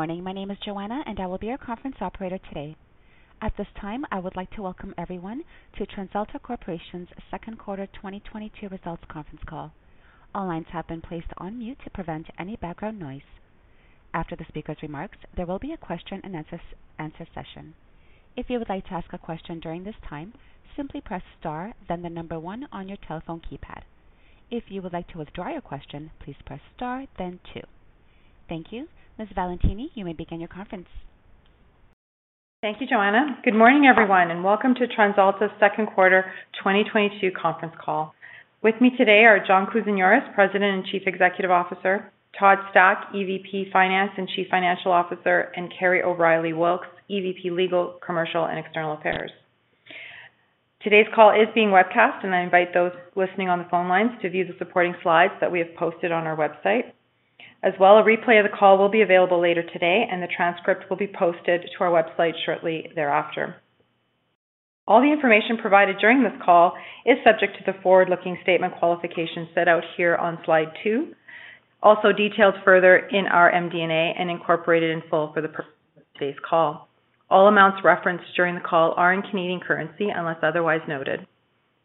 Morning. My name is Joanna and I will be your conference operator today. At this time, I would like to welcome everyone to TransAlta Corporation's Second Quarter 2022 Results Conference Call. All lines have been placed on mute to prevent any background noise. After the speaker's remarks, there will be a question-and-answer session. If you would like to ask a question during this time, simply press Star, then the number one on your telephone keypad. If you would like to withdraw your question, please press Star then two. Thank you. Ms. Valentini, you may begin your conference. Thank you, Joanna. Good morning, everyone, and welcome to TransAlta's second quarter 2022 conference call. With me today are John Kousinioris, President and Chief Executive Officer, Todd Stack, EVP Finance and Chief Financial Officer, and Kerry O'Reilly Wilks, EVP, Legal, Commercial and External Affairs. Today's call is being webcast, and I invite those listening on the phone lines to view the supporting slides that we have posted on our website. As well, a replay of the call will be available later today and the transcript will be posted to our website shortly thereafter. All the information provided during this call is subject to the forward-looking statement qualifications set out here on slide 2, also detailed further in our MD&A and incorporated in full for the purposes of today's call. All amounts referenced during the call are in Canadian currency unless otherwise noted.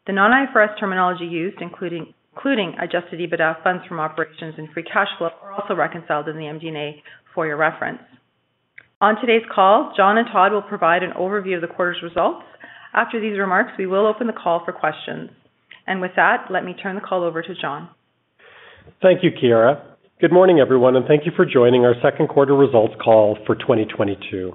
The non-IFRS terminology used, including adjusted EBITDA, funds from operations and free cash flow, are also reconciled in the MD&A for your reference. On today's call, John and Todd will provide an overview of the quarter's results. After these remarks, we will open the call for questions. With that, let me turn the call over to John. Thank you, Chiara. Good morning, everyone, and thank you for joining our second quarter results call for 2022.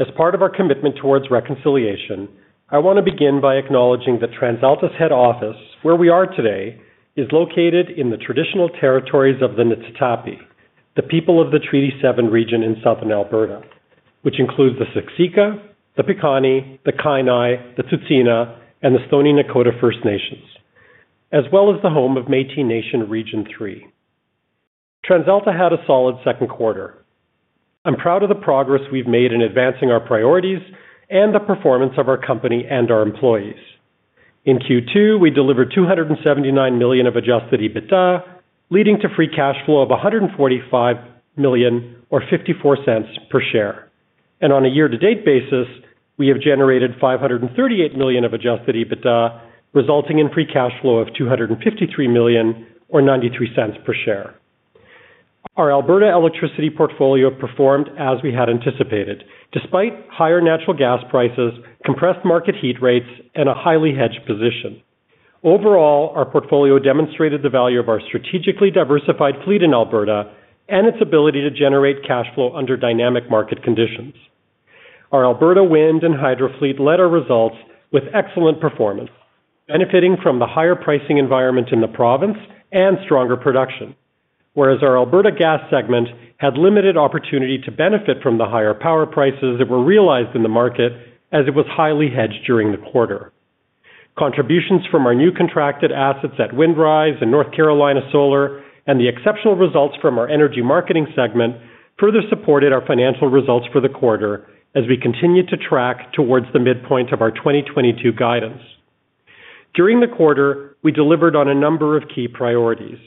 As part of our commitment towards reconciliation, I want to begin by acknowledging that TransAlta's head office, where we are today, is located in the traditional territories of the Niitsitapi, the people of the Treaty Seven region in southern Alberta, which includes the Siksika, the Piikani, the Kainai, the Tsuts'ina, and the Stoney Nakoda First Nations, as well as the home of Métis Nation Region Three. TransAlta had a solid second quarter. I'm proud of the progress we've made in advancing our priorities and the performance of our company and our employees. In Q2, we delivered 279 million of adjusted EBITDA, leading to free cash flow of 145 million or 0.54 per share. On a year-to-date basis, we have generated 538 million of adjusted EBITDA, resulting in free cash flow of 253 million or 0.93 per share. Our Alberta electricity portfolio performed as we had anticipated. Despite higher natural gas prices, compressed market heat rates and a highly hedged position. Overall, our portfolio demonstrated the value of our strategically diversified fleet in Alberta and its ability to generate cash flow under dynamic market conditions. Our Alberta wind and hydro fleet led our results with excellent performance, benefiting from the higher pricing environment in the province and stronger production. Whereas our Alberta gas segment had limited opportunity to benefit from the higher power prices that were realized in the market as it was highly hedged during the quarter. Contributions from our new contracted assets at Windrise and North Carolina Solar and the exceptional results from our Energy Marketing segment further supported our financial results for the quarter as we continued to track towards the midpoint of our 2022 guidance. During the quarter, we delivered on a number of key priorities.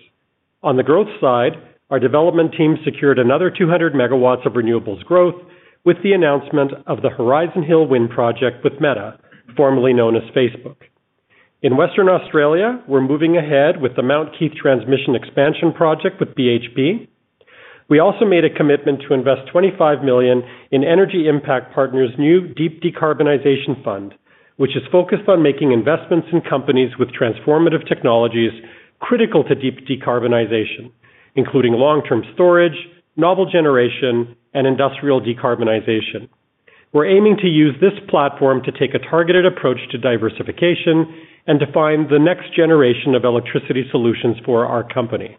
On the growth side, our development team secured another 200 megawatts of renewables growth with the announcement of the Horizon Hill Wind Project with Meta, formerly known as Facebook. In Western Australia, we're moving ahead with the Mount Keith Transmission Expansion Project with BHP. We also made a commitment to invest 25 million in Energy Impact Partners' new Deep Decarbonization Frontier Fund, which is focused on making investments in companies with transformative technologies critical to deep decarbonization, including long-term storage, novel generation, and industrial decarbonization. We're aiming to use this platform to take a targeted approach to diversification and to find the next generation of electricity solutions for our company.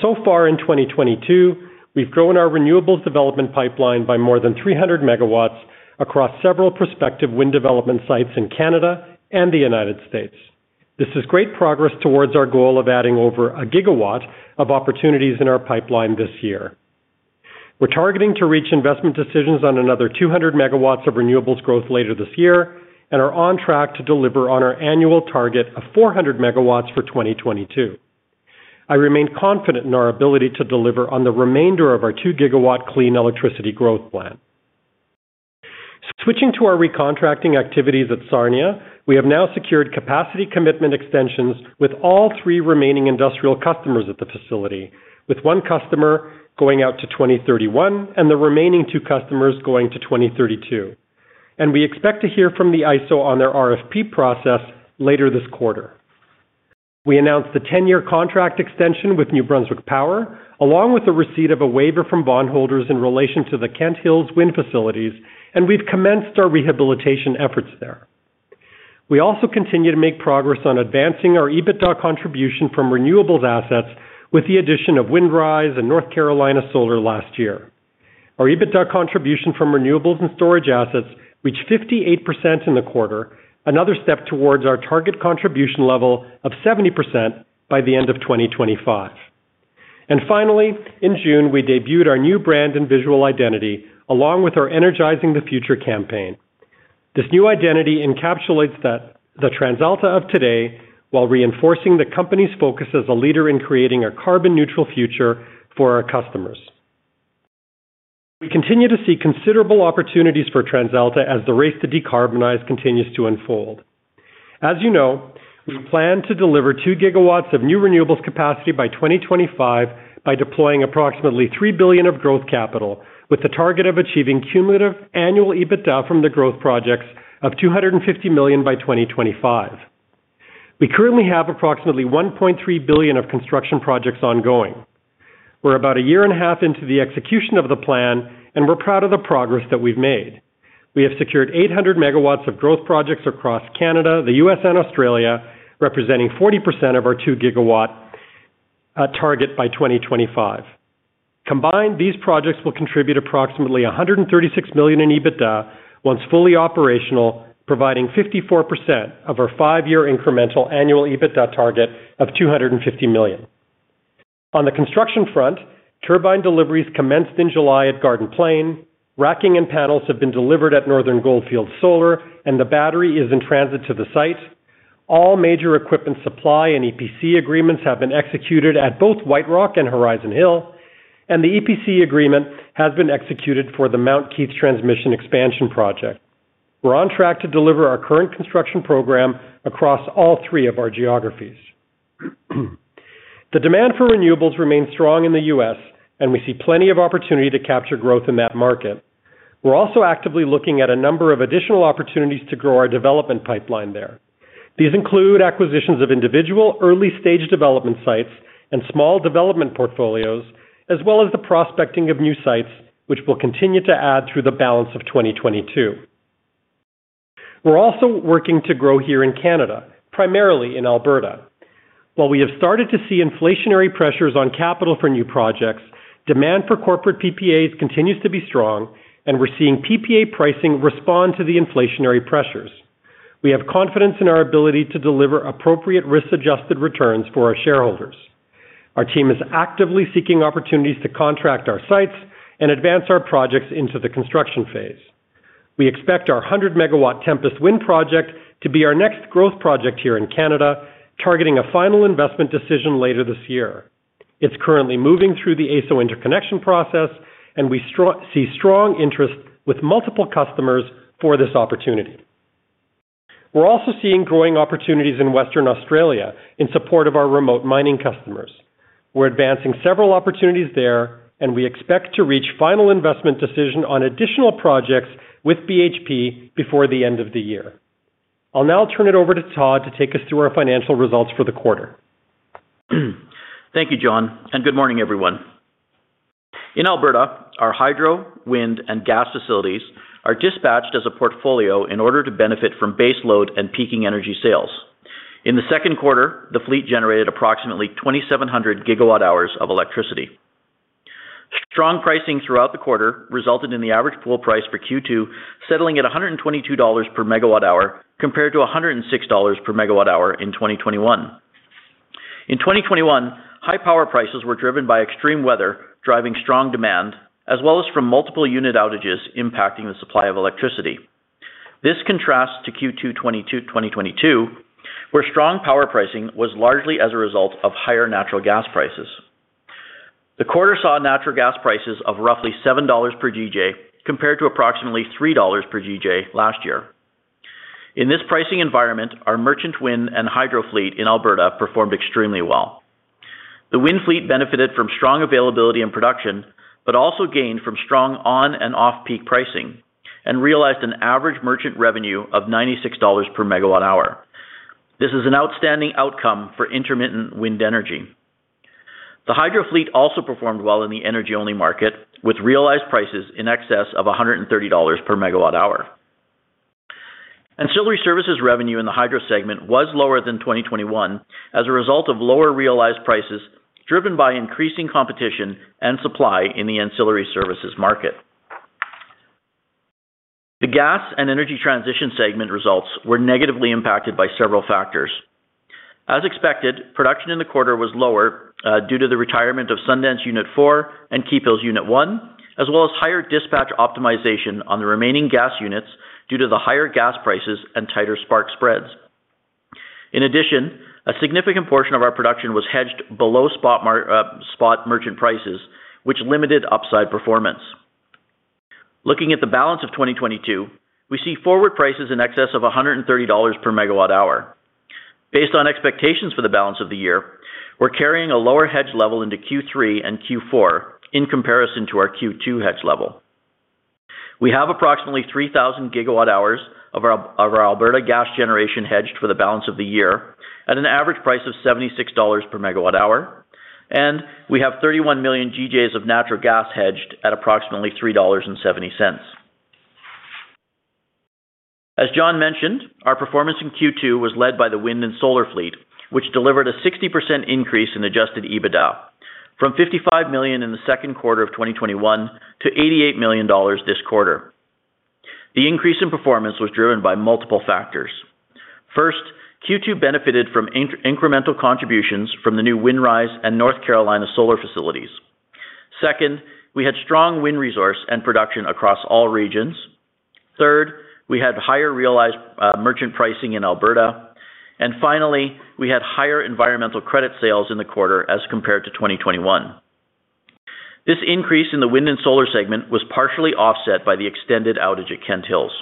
So far in 2022, we've grown our renewables development pipeline by more than 300 megawatts across several prospective wind development sites in Canada and the United States. This is great progress towards our goal of adding over 1 gigawatt of opportunities in our pipeline this year. We're targeting to reach investment decisions on another 200 megawatts of renewables growth later this year and are on track to deliver on our annual target of 400 megawatts for 2022. I remain confident in our ability to deliver on the remainder of our 2-gigawatt clean electricity growth plan. Switching to our recontracting activities at Sarnia, we have now secured capacity commitment extensions with all three remaining industrial customers at the facility, with one customer going out to 2031 and the remaining two customers going to 2032. We expect to hear from the ISO on their RFP process later this quarter. We announced the 10-year contract extension with New Brunswick Power, along with the receipt of a waiver from bondholders in relation to the Kent Hills wind facilities, and we've commenced our rehabilitation efforts there. We also continue to make progress on advancing our EBITDA contribution from renewables assets with the addition of Windrise and North Carolina Solar last year. Our EBITDA contribution from renewables and storage assets reached 58% in the quarter, another step towards our target contribution level of 70% by the end of 2025. Finally, in June, we debuted our new brand and visual identity, along with our Energizing the Future campaign. This new identity encapsulates the TransAlta of today while reinforcing the company's focus as a leader in creating a carbon neutral future for our customers. We continue to see considerable opportunities for TransAlta as the race to decarbonize continues to unfold. As you know, we plan to deliver 2 gigawatts of new renewables capacity by 2025 by deploying approximately 3 billion of growth capital, with the target of achieving cumulative annual EBITDA from the growth projects of 250 million by 2025. We currently have approximately 1.3 billion of construction projects ongoing. We're about a year and a half into the execution of the plan, and we're proud of the progress that we've made. We have secured 800 MW of growth projects across Canada, the US, and Australia, representing 40% of our 2-GW target by 2025. Combined, these projects will contribute approximately 136 million in EBITDA once fully operational, providing 54% of our five-year incremental annual EBITDA target of 250 million. On the construction front, turbine deliveries commenced in July at Garden Plain. Racking and panels have been delivered at Northern Goldfields Solar, and the battery is in transit to the site. All major equipment supply and EPC agreements have been executed at both White Rock and Horizon Hill, and the EPC agreement has been executed for the Mount Keith Transmission Expansion Project. We're on track to deliver our current construction program across all three of our geographies. The demand for renewables remains strong in the U.S., and we see plenty of opportunity to capture growth in that market. We're also actively looking at a number of additional opportunities to grow our development pipeline there. These include acquisitions of individual early-stage development sites and small development portfolios, as well as the prospecting of new sites, which we'll continue to add through the balance of 2022. We're also working to grow here in Canada, primarily in Alberta. While we have started to see inflationary pressures on capital for new projects, demand for corporate PPAs continues to be strong, and we're seeing PPA pricing respond to the inflationary pressures. We have confidence in our ability to deliver appropriate risk-adjusted returns for our shareholders. Our team is actively seeking opportunities to contract our sites and advance our projects into the construction phase. We expect our 100-MW Tempest Wind project to be our next growth project here in Canada, targeting a final investment decision later this year. It's currently moving through the AESO interconnection process, and we see strong interest with multiple customers for this opportunity. We're also seeing growing opportunities in Western Australia in support of our remote mining customers. We're advancing several opportunities there, and we expect to reach final investment decision on additional projects with BHP before the end of the year. I'll now turn it over to Todd to take us through our financial results for the quarter. Thank you, John, and good morning, everyone. In Alberta, our hydro, wind, and gas facilities are dispatched as a portfolio in order to benefit from base load and peaking energy sales. In the second quarter, the fleet generated approximately 2,700 gigawatt-hours of electricity. Strong pricing throughout the quarter resulted in the average pool price for Q2 settling at 122 dollars per megawatt hour compared to 106 dollars per megawatt hour in 2021. In 2021, high power prices were driven by extreme weather, driving strong demand, as well as from multiple unit outages impacting the supply of electricity. This contrasts to Q2 2022, where strong power pricing was largely as a result of higher natural gas prices. The quarter saw natural gas prices of roughly 7 dollars per GJ compared to approximately 3 dollars per GJ last year. In this pricing environment, our merchant wind and hydro fleet in Alberta performed extremely well. The wind fleet benefited from strong availability and production, but also gained from strong on and off-peak pricing and realized an average merchant revenue of 96 dollars per megawatt hour. This is an outstanding outcome for intermittent wind energy. The hydro fleet also performed well in the energy-only market, with realized prices in excess of 130 dollars per megawatt hour. Ancillary services revenue in the hydro segment was lower than 2021 as a result of lower realized prices, driven by increasing competition and supply in the ancillary services market. The gas and energy transition segment results were negatively impacted by several factors. As expected, production in the quarter was lower, due to the retirement of Sundance Unit 4 and Keephills Unit 1, as well as higher dispatch optimization on the remaining gas units due to the higher gas prices and tighter spark spreads. In addition, a significant portion of our production was hedged below spot merchant prices, which limited upside performance. Looking at the balance of 2022, we see forward prices in excess of 130 dollars per MWh. Based on expectations for the balance of the year, we're carrying a lower hedge level into Q3 and Q4 in comparison to our Q2 hedge level. We have approximately 3,000 gigawatt-hours of our Alberta gas generation hedged for the balance of the year at an average price of 76 dollars per megawatt hour, and we have 31 million GJs of natural gas hedged at approximately 3.70 dollars. As John mentioned, our performance in Q2 was led by the wind and solar fleet, which delivered a 60% increase in adjusted EBITDA from CAD 55 million in the second quarter of 2021 to CAD 88 million this quarter. The increase in performance was driven by multiple factors. First, Q2 benefited from incremental contributions from the new Windrise and North Carolina solar facilities. Second, we had strong wind resource and production across all regions. Third, we had higher realized merchant pricing in Alberta. Finally, we had higher environmental credit sales in the quarter as compared to 2021. This increase in the wind and solar segment was partially offset by the extended outage at Kent Hills.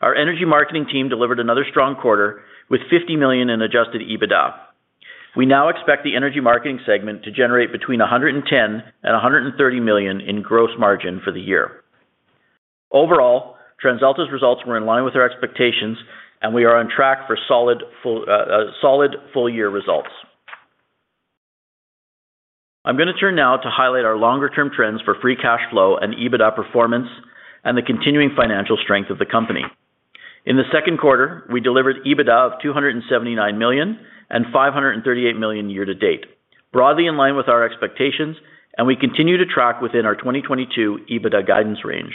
Our energy marketing team delivered another strong quarter with CAD 50 million in adjusted EBITDA. We now expect the energy marketing segment to generate between CAD 110 million and CAD 130 million in gross margin for the year. Overall, TransAlta's results were in line with our expectations and we are on track for solid full-year results. I'm gonna turn now to highlight our longer-term trends for free cash flow and EBITDA performance and the continuing financial strength of the company. In the second quarter, we delivered EBITDA of 279 million and 538 million year to date, broadly in line with our expectations, and we continue to track within our 2022 EBITDA guidance range.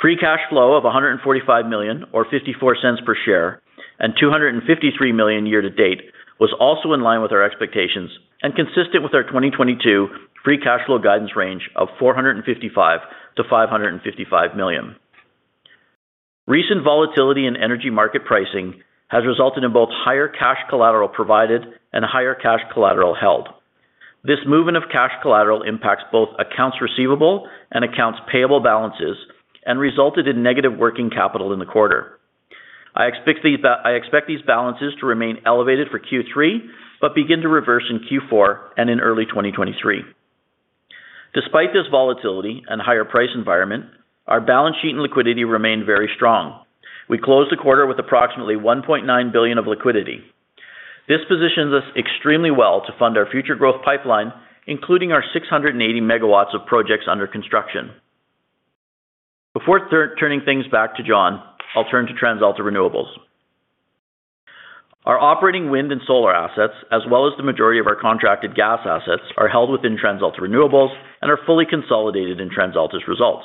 Free cash flow of 145 million or 0.54 per share, and 253 million year to date was also in line with our expectations and consistent with our 2022 free cash flow guidance range of 455 million-555 million. Recent volatility in energy market pricing has resulted in both higher cash collateral provided and higher cash collateral held. This movement of cash collateral impacts both accounts receivable and accounts payable balances and resulted in negative working capital in the quarter. I expect these balances to remain elevated for Q3, but begin to reverse in Q4 and in early 2023. Despite this volatility and higher price environment, our balance sheet and liquidity remained very strong. We closed the quarter with approximately 1.9 billion of liquidity. This positions us extremely well to fund our future growth pipeline, including our 680 MW of projects under construction. Before turning things back to John, I'll turn to TransAlta Renewables. Our operating wind and solar assets, as well as the majority of our contracted gas assets, are held within TransAlta Renewables and are fully consolidated in TransAlta's results.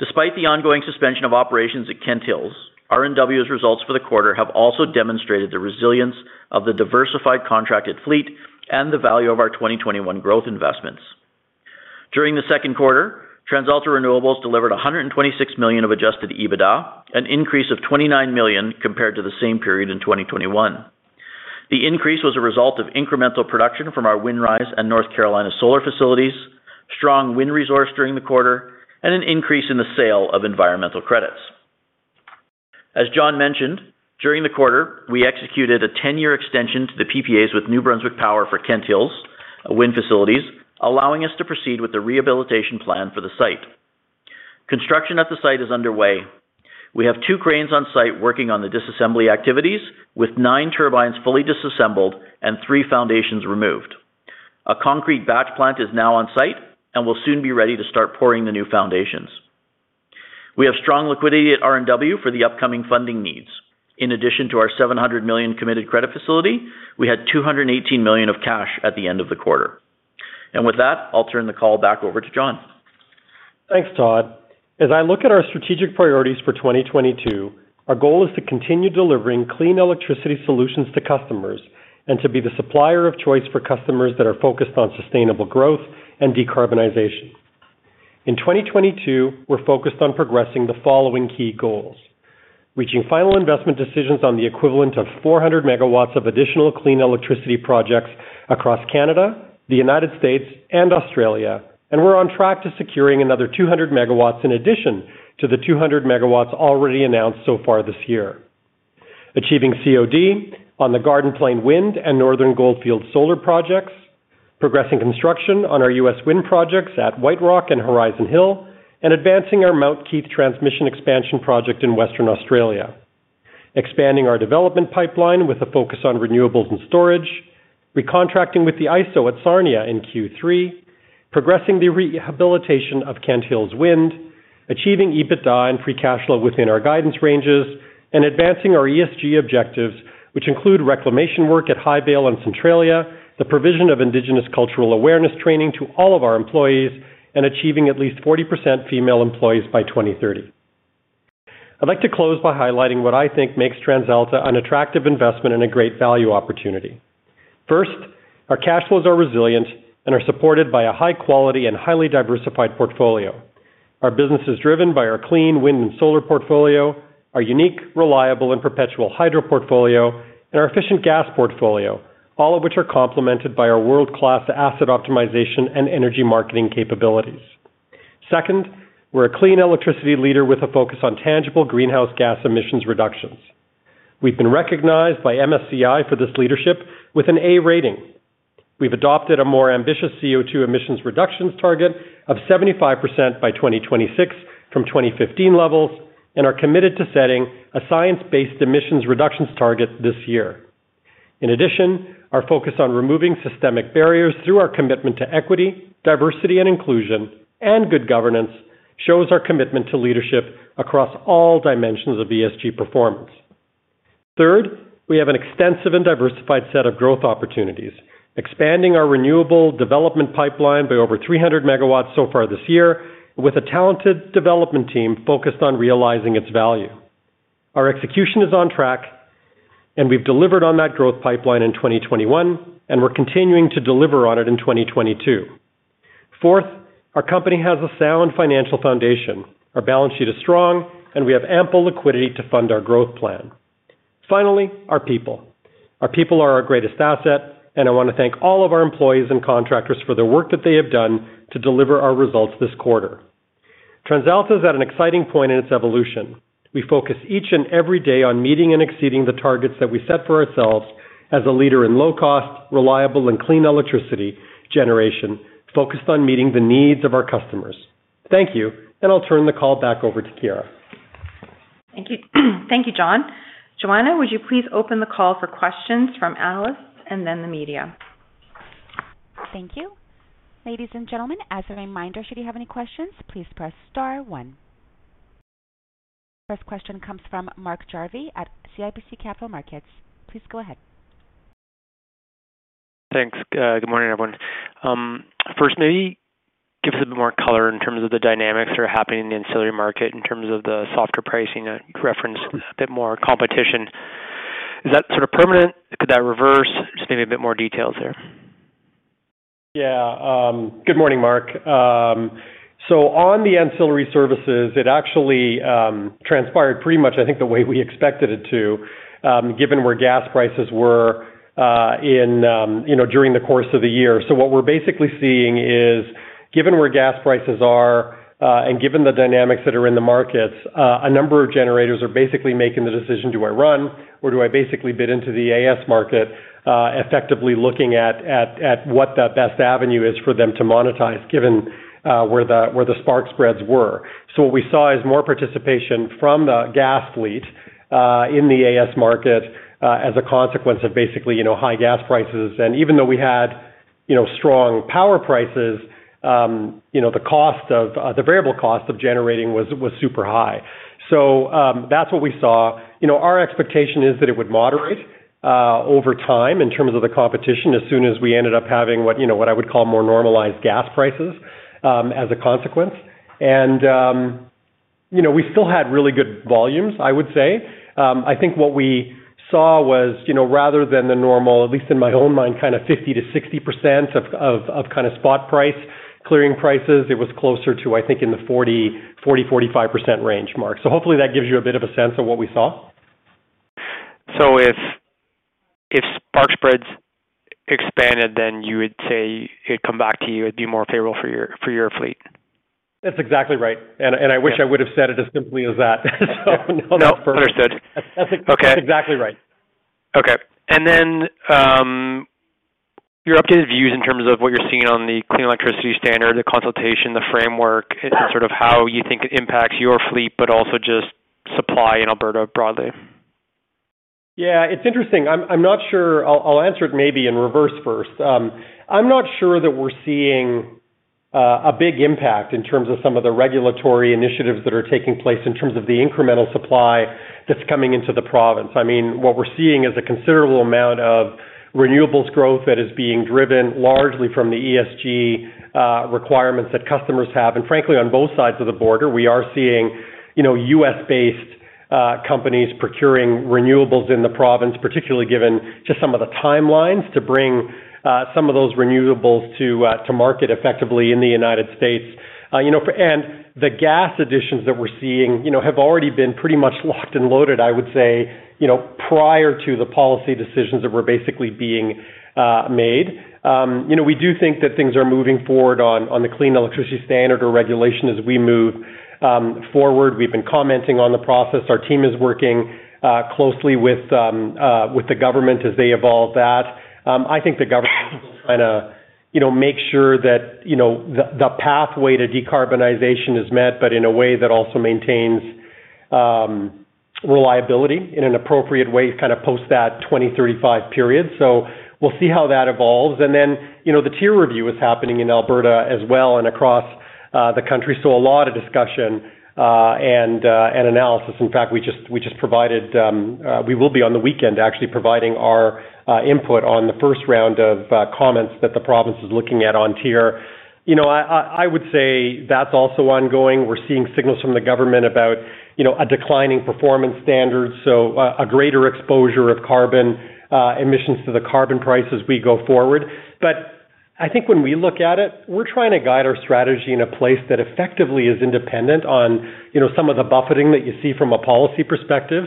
Despite the ongoing suspension of operations at Kent Hills, RNW's results for the quarter have also demonstrated the resilience of the diversified contracted fleet and the value of our 2021 growth investments. During the second quarter, TransAlta Renewables delivered 126 million of adjusted EBITDA, an increase of 29 million compared to the same period in 2021. The increase was a result of incremental production from our Windrise and North Carolina solar facilities, strong wind resource during the quarter, and an increase in the sale of environmental credits. As John mentioned, during the quarter, we executed a 10-year extension to the PPAs with New Brunswick Power for Kent Hills wind facilities, allowing us to proceed with the rehabilitation plan for the site. Construction at the site is underway. We have two cranes on site working on the disassembly activities with 9 turbines fully disassembled and 3 foundations removed. A concrete batch plant is now on site and will soon be ready to start pouring the new foundations. We have strong liquidity at RNW for the upcoming funding needs. In addition to our 700 million committed credit facility, we had 218 million of cash at the end of the quarter. With that, I'll turn the call back over to John. Thanks, Todd. As I look at our strategic priorities for 2022, our goal is to continue delivering clean electricity solutions to customers and to be the supplier of choice for customers that are focused on sustainable growth and decarbonization. In 2022, we're focused on progressing the following key goals. Reaching final investment decisions on the equivalent of 400 megawatts of additional clean electricity projects across Canada, the United States, and Australia, and we're on track to securing another 200 megawatts in addition to the 200 megawatts already announced so far this year. Achieving COD on the Garden Plain Wind and Northern Goldfields Solar projects. Progressing construction on our U.S. Wind projects at White Rock and Horizon Hill, and advancing our Mount Keith transmission expansion project in Western Australia. Expanding our development pipeline with a focus on renewables and storage. Recontracting with the ISO at Sarnia in Q3. Progressing the rehabilitation of Kent Hills Wind. Achieving EBITDA and free cash flow within our guidance ranges, and advancing our ESG objectives, which include reclamation work at Highvale and Centralia, the provision of Indigenous cultural awareness training to all of our employees, and achieving at least 40% female employees by 2030. I'd like to close by highlighting what I think makes TransAlta an attractive investment and a great value opportunity. First, our cash flows are resilient and are supported by a high quality and highly diversified portfolio. Our business is driven by our clean wind and solar portfolio, our unique, reliable, and perpetual hydro portfolio, and our efficient gas portfolio, all of which are complemented by our world-class asset optimization and energy marketing capabilities. Second, we're a clean electricity leader with a focus on tangible greenhouse gas emissions reductions. We've been recognized by MSCI for this leadership with an A rating. We've adopted a more ambitious CO2 emissions reductions target of 75% by 2026 from 2015 levels and are committed to setting a science-based emissions reductions target this year. In addition, our focus on removing systemic barriers through our commitment to equity, diversity, and inclusion, and good governance shows our commitment to leadership across all dimensions of ESG performance. Third, we have an extensive and diversified set of growth opportunities, expanding our renewable development pipeline by over 300 MW so far this year with a talented development team focused on realizing its value. Our execution is on track. We've delivered on that growth pipeline in 2021, and we're continuing to deliver on it in 2022. Fourth, our company has a sound financial foundation. Our balance sheet is strong, and we have ample liquidity to fund our growth plan. Finally, our people. Our people are our greatest asset, and I want to thank all of our employees and contractors for the work that they have done to deliver our results this quarter. TransAlta is at an exciting point in its evolution. We focus each and every day on meeting and exceeding the targets that we set for ourselves as a leader in low-cost, reliable, and clean electricity generation, focused on meeting the needs of our customers. Thank you, and I'll turn the call back over to Chiara. Thank you. Thank you, John. Joanna, would you please open the call for questions from analysts and then the media? Thank you. Ladies and gentlemen, as a reminder, should you have any questions, please press star one. First question comes from Mark Jarvi at CIBC Capital Markets. Please go ahead. Thanks. Good morning, everyone. First maybe give us a bit more color in terms of the dynamics that are happening in the ancillary market in terms of the softer pricing. You referenced a bit more competition. Is that sort of permanent? Could that reverse? Just maybe a bit more details there. Yeah. Good morning, Mark. On the ancillary services, it actually transpired pretty much, I think, the way we expected it to, given where gas prices were, in you know, during the course of the year. What we're basically seeing is, given where gas prices are, and given the dynamics that are in the markets, a number of generators are basically making the decision, do I run or do I basically bid into the AS market, effectively looking at what the best avenue is for them to monetize, given where the spark spreads were. What we saw is more participation from the gas fleet in the AS market as a consequence of basically, you know, high gas prices. Even though we had, you know, strong power prices, the variable cost of generating was super high. That's what we saw. Our expectation is that it would moderate over time in terms of the competition as soon as we ended up having what, you know, what I would call more normalized gas prices, as a consequence. We still had really good volumes, I would say. I think what we saw was, you know, rather than the normal, at least in my own mind, kind of 50%-60% of spot price, clearing prices, it was closer to, I think, in the 40%-45% range, Mark. Hopefully that gives you a bit of a sense of what we saw. If spark spreads expanded, then you would say it'd come back to you. It'd be more favorable for your fleet. That's exactly right. I wish I would have said it as simply as that. No, that's perfect. No. Understood. Okay. That's exactly right. Okay. Your updated views in terms of what you're seeing on the Clean Electricity Standard, the consultation, the framework, and sort of how you think it impacts your fleet, but also just supply in Alberta broadly? Yeah, it's interesting. I'm not sure. I'll answer it maybe in reverse first. I'm not sure that we're seeing a big impact in terms of some of the regulatory initiatives that are taking place in terms of the incremental supply that's coming into the province. I mean, what we're seeing is a considerable amount of renewables growth that is being driven largely from the ESG requirements that customers have. Frankly, on both sides of the border, we are seeing, you know, U.S.-based companies procuring renewables in the province, particularly given just some of the timelines to bring some of those renewables to market effectively in the United States. You know, the gas additions that we're seeing, you know, have already been pretty much locked and loaded, I would say, you know, prior to the policy decisions that were basically being made. You know, we do think that things are moving forward on the Clean Electricity Standard or regulation as we move forward. We've been commenting on the process. Our team is working closely with the government as they evolve that. I think the government is trying to, you know, make sure that, you know, the pathway to decarbonization is met, but in a way that also maintains reliability in an appropriate way kind of post that 2035 period. We'll see how that evolves. Then, you know, the TIER review is happening in Alberta as well and across the country. A lot of discussion and analysis. In fact, we will be on the weekend actually providing our input on the first round of comments that the province is looking at on TIER. You know, I would say that's also ongoing. We're seeing signals from the government about, you know, a declining performance standard, so a greater exposure of carbon emissions to the carbon price as we go forward. But I think when we look at it, we're trying to guide our strategy in a place that effectively is independent on, you know, some of the buffeting that you see from a policy perspective,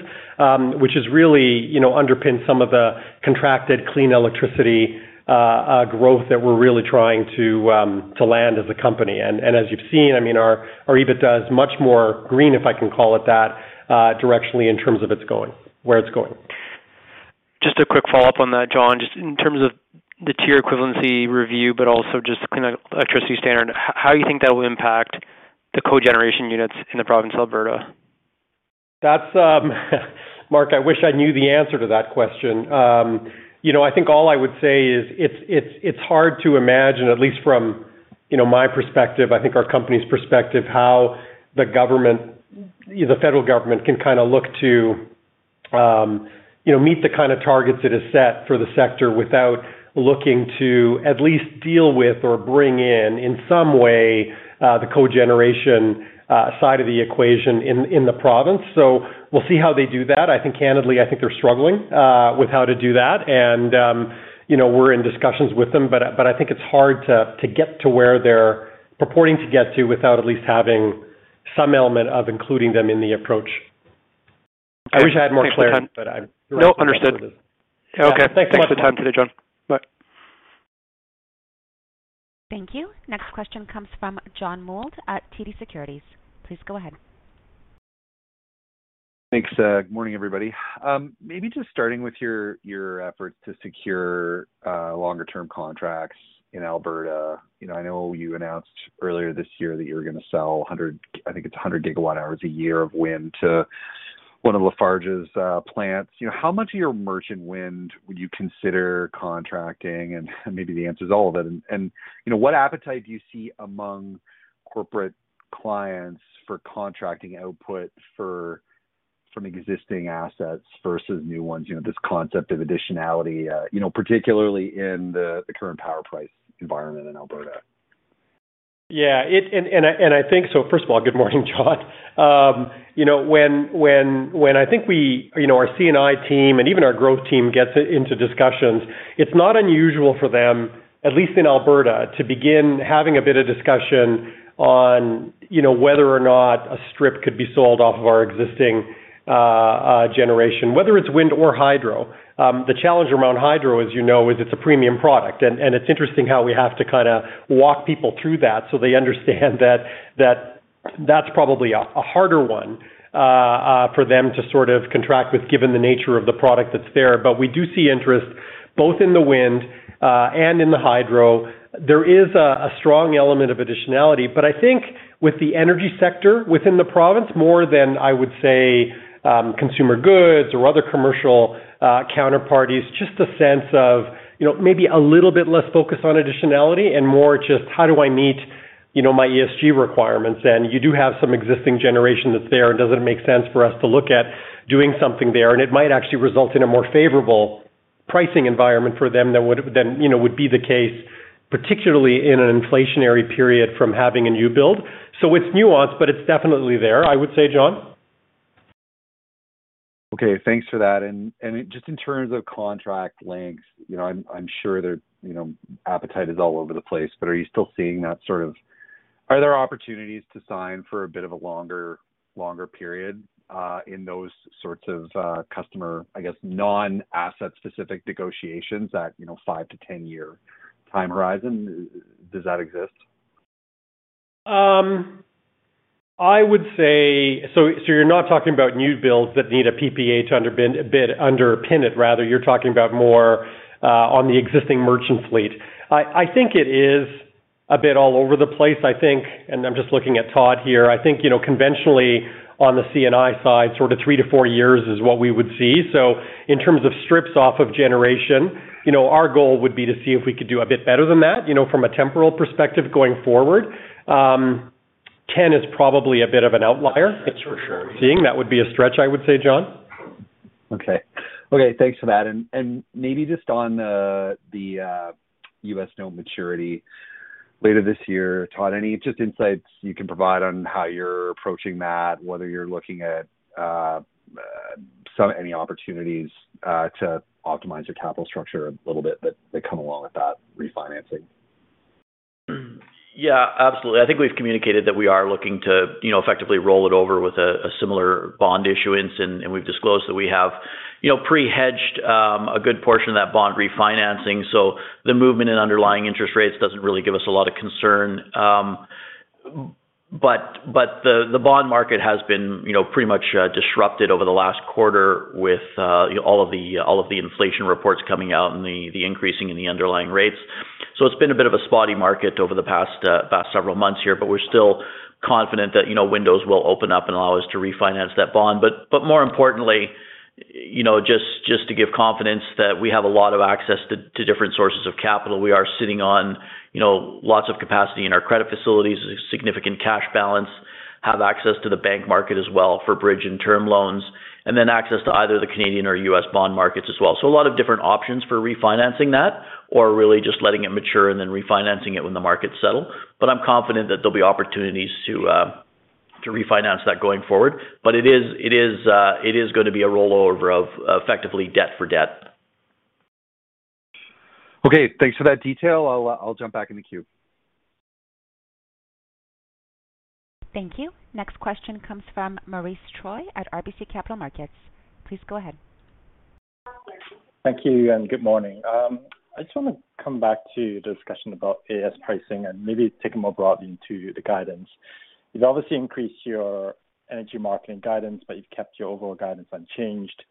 which has really, you know, underpinned some of the contracted clean electricity growth that we're really trying to land as a company. As you've seen, I mean, our EBITDA is much more green, if I can call it that, directionally in terms of it's going, where it's going. Just a quick follow-up on that, John. Just in terms of the TIER equivalency review, but also just Clean Electricity Standard, how you think that will impact the cogeneration units in the province of Alberta? That's Mark, I wish I knew the answer to that question. You know, I think all I would say is it's hard to imagine, at least from, you know, my perspective, I think our company's perspective, how the government, the federal government can kind of look to meet the kind of targets that are set for the sector without looking to at least deal with or bring in some way, the cogeneration side of the equation in the province. So we'll see how they do that. I think candidly, I think they're struggling with how to do that. You know, we're in discussions with them, but I think it's hard to get to where they're purporting to get to without at least having some element of including them in the approach. I wish I had more clarity. No, understood. Okay. Thanks so much. Thanks for the time today, John. Bye. Thank you. Next question comes from John Mould at TD Securities. Please go ahead. Thanks. Good morning, everybody. Maybe just starting with your efforts to secure longer term contracts in Alberta. You know, I know you announced earlier this year that you were gonna sell 100, I think it's 100 gigawatt-hours a year of wind to one of Lafarge's plants. You know, how much of your merchant wind would you consider contracting? Maybe the answer is all of it. You know, what appetite do you see among corporate clients for contracting output for some existing assets versus new ones? You know, this concept of additionality, you know, particularly in the current power price environment in Alberta. Yeah. I think so. First of all, good morning, John. You know, when I think we, you know, our CNI team and even our growth team gets into discussions, it's not unusual for them, at least in Alberta, to begin having a bit of discussion on, you know, whether or not a strip could be sold off of our existing generation, whether it's wind or hydro. The challenge around hydro, as you know, is it's a premium product. It's interesting how we have to kinda walk people through that so they understand that that's probably a harder one for them to sort of contract with, given the nature of the product that's there. We do see interest both in the wind and in the hydro. There is a strong element of additionality. I think with the energy sector within the province, more than, I would say, consumer goods or other commercial counterparties, just a sense of, you know, maybe a little bit less focused on additionality and more just how do I meet, you know, my ESG requirements. You do have some existing generation that's there. Does it make sense for us to look at doing something there? It might actually result in a more favorable pricing environment for them than, you know, would be the case, particularly in an inflationary period, from having a new build. It's nuanced, but it's definitely there, I would say, John. Okay, thanks for that. Just in terms of contract lengths, you know, I'm sure that, you know, appetite is all over the place, but are you still seeing that sort of, are there opportunities to sign for a bit of a longer period in those sorts of customer, I guess, non-asset-specific negotiations that, you know, 5-10-year time horizon? Does that exist? You're not talking about new builds that need a PPA underbid, bid underpin it. Rather, you're talking about more on the existing merchant fleet. I think it is a bit all over the place, I think. I'm just looking at Todd here. I think, you know, conventionally on the CNI side, sort of 3-4 years is what we would see. In terms of strips off of generation, you know, our goal would be to see if we could do a bit better than that, you know, from a temporal perspective going forward. 10 is probably a bit of an outlier. That's for sure. Seeing that would be a stretch, I would say, John. Okay. Okay, thanks for that. Maybe just on the U.S. note maturity later this year, Todd, any just insights you can provide on how you're approaching that, whether you're looking at so any opportunities to optimize your capital structure a little bit that come along with that refinancing? Yeah, absolutely. I think we've communicated that we are looking to, you know, effectively roll it over with a similar bond issuance. We've disclosed that we have, you know, pre-hedged a good portion of that bond refinancing. The movement in underlying interest rates doesn't really give us a lot of concern. The bond market has been, you know, pretty much disrupted over the last quarter with all of the inflation reports coming out and the increasing in the underlying rates. It's been a bit of a spotty market over the past several months here, but we're still confident that, you know, windows will open up and allow us to refinance that bond. More importantly, you know, just to give confidence that we have a lot of access to different sources of capital. We are sitting on, you know, lots of capacity in our credit facilities, a significant cash balance, have access to the bank market as well for bridge and term loans, and then access to either the Canadian or US bond markets as well. A lot of different options for refinancing that or really just letting it mature and then refinancing it when the markets settle. I'm confident that there'll be opportunities to refinance that going forward. It is gonna be a rollover of effectively debt for debt. Okay, thanks for that detail. I'll jump back in the queue. Thank you. Next question comes from Maurice Choy at RBC Capital Markets. Please go ahead. Thank you, and good morning. I just wanna come back to the discussion about AS pricing and maybe take it more broadly into the guidance. You've obviously increased your energy marketing guidance, but you've kept your overall guidance unchanged.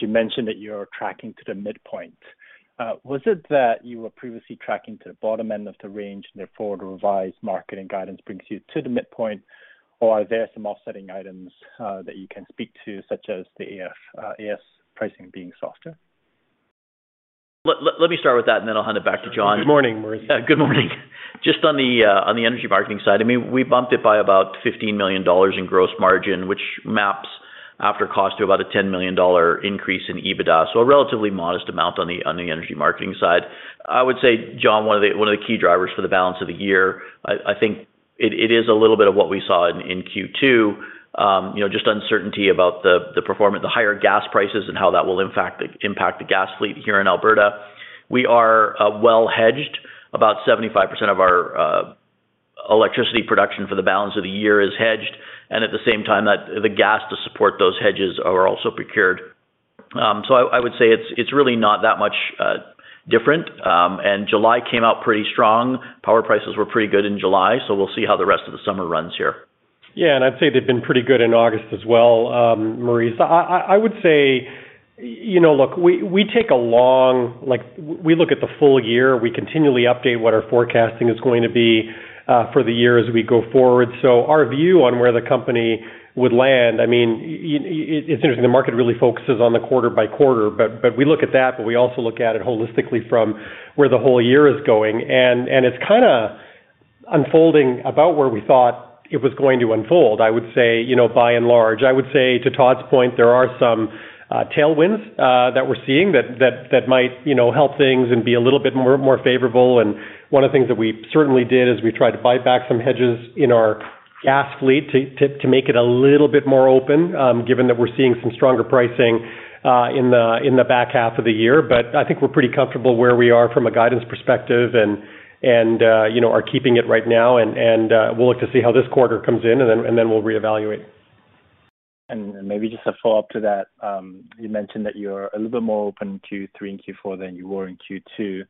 You mentioned that you're tracking to the midpoint. Was it that you were previously tracking to the bottom end of the range and therefore the revised marketing guidance brings you to the midpoint, or are there some offsetting items that you can speak to, such as the AS pricing being softer? Let me start with that, and then I'll hand it back to John. Good morning, Maurice. Good morning. Just on the energy marketing side, I mean, we bumped it by about 15 million dollars in gross margin, which maps after cost to about a 10 million dollar increase in EBITDA. A relatively modest amount on the energy marketing side. I would say, John, one of the key drivers for the balance of the year, I think it is a little bit of what we saw in Q2. You know, just uncertainty about the performance, the higher gas prices and how that will impact the gas fleet here in Alberta. We are well hedged. About 75% of our electricity production for the balance of the year is hedged, and at the same time, the gas to support those hedges is also procured. I would say it's really not that much different. July came out pretty strong. Power prices were pretty good in July, so we'll see how the rest of the summer runs here. Yeah. I'd say they've been pretty good in August as well, Maurice. I would say, you know, look. Like, we look at the full year. We continually update what our forecasting is going to be for the year as we go forward. Our view on where the company would land, I mean, it's interesting, the market really focuses on the quarter by quarter. We look at that, but we also look at it holistically from where the whole year is going. It's kinda unfolding about where we thought it was going to unfold, I would say, you know, by and large. I would say, to Todd's point, there are some tailwinds that we're seeing that might, you know, help things and be a little bit more favorable. One of the things that we certainly did is we tried to buy back some hedges in our gas fleet to make it a little bit more open, given that we're seeing some stronger pricing in the back half of the year. I think we're pretty comfortable where we are from a guidance perspective, and you know are keeping it right now. We'll look to see how this quarter comes in, and then we'll reevaluate. Maybe just a follow-up to that. You mentioned that you're a little bit more open in Q3 and Q4 than you were in Q2.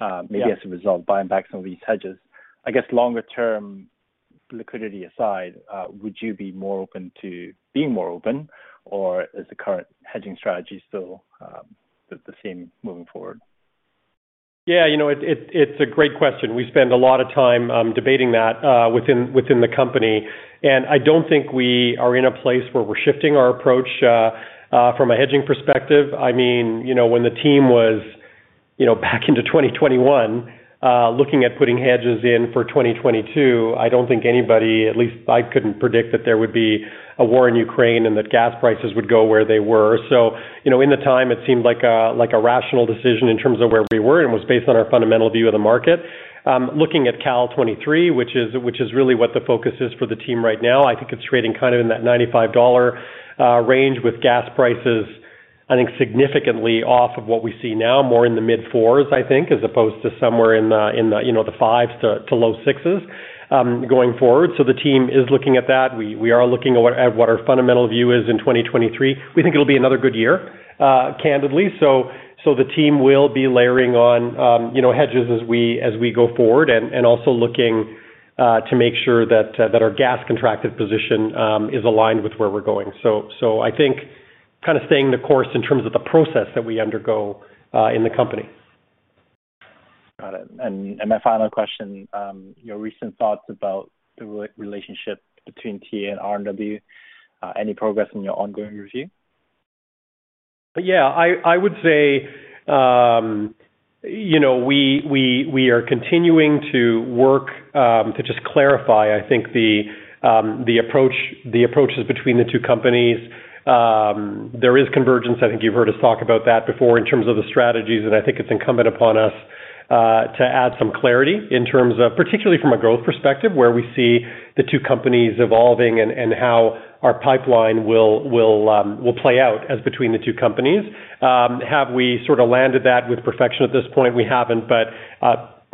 Yeah. Maybe as a result, buying back some of these hedges. I guess longer term liquidity aside, would you be more open to being more open, or is the current hedging strategy still, the same moving forward? Yeah. You know, it's a great question. We spend a lot of time debating that within the company. I don't think we are in a place where we're shifting our approach from a hedging perspective. I mean, you know, when the team was back in 2021 looking at putting hedges in for 2022, I don't think anybody, at least I couldn't predict that there would be a war in Ukraine and that gas prices would go where they were. You know, at the time, it seemed like a rational decision in terms of where we were and was based on our fundamental view of the market. Looking at Cal-23, which is really what the focus is for the team right now, I think it's trading kind of in that 95 dollar range with gas prices, I think, significantly off of what we see now, more in the mid-fours, I think, as opposed to somewhere in the, you know, the fives to low sixes, going forward. The team is looking at that. We are looking at what our fundamental view is in 2023. We think it'll be another good year, candidly. The team will be layering on, you know, hedges as we go forward and also looking to make sure that our gas contracted position is aligned with where we're going. I think kind of staying the course in terms of the process that we undergo in the company. Got it. My final question, your recent thoughts about the relationship between TA and RNW, any progress in your ongoing review? Yeah. I would say, you know, we are continuing to work to just clarify, I think the approach, the approaches between the two companies. There is convergence. I think you've heard us talk about that before in terms of the strategies, and I think it's incumbent upon us to add some clarity in terms of particularly from a growth perspective, where we see the two companies evolving and how our pipeline will play out as between the two companies. Have we sort of landed that with perfection at this point? We haven't.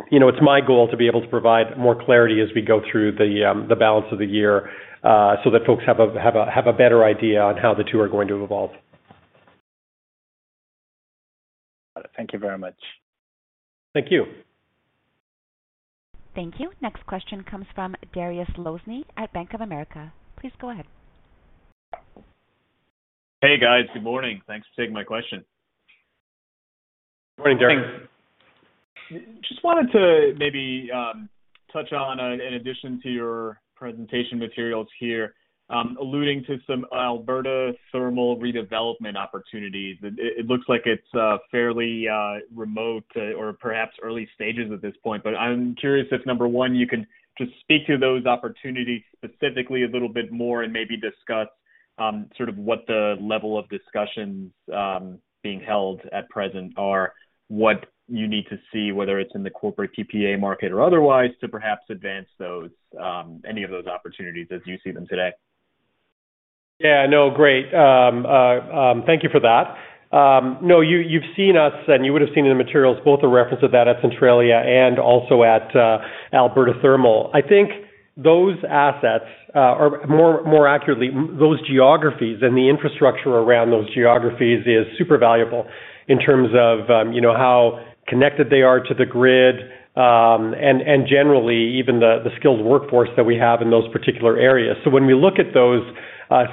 You know, it's my goal to be able to provide more clarity as we go through the balance of the year, so that folks have a better idea on how the two are going to evolve. Thank you very much. Thank you. Thank you. Next question comes from Darius Lozny at Bank of America. Please go ahead. Hey, guys. Good morning. Thanks for taking my question. Morning, Darius. Just wanted to maybe touch on, in addition to your presentation materials here, alluding to some Alberta thermal redevelopment opportunities. It looks like it's fairly remote or perhaps early stages at this point. I'm curious if, number one, you can just speak to those opportunities specifically a little bit more and maybe discuss sort of what the level of discussions being held at present are. What you need to see, whether it's in the corporate PPA market or otherwise, to perhaps advance those any of those opportunities as you see them today. Yeah. No, great. Thank you for that. No, you've seen us, and you would have seen in the materials both a reference of that at Centralia and also at Alberta Thermal. I think those assets, or more accurately, those geographies and the infrastructure around those geographies is super valuable in terms of you know, how connected they are to the grid, and generally even the skilled workforce that we have in those particular areas. When we look at those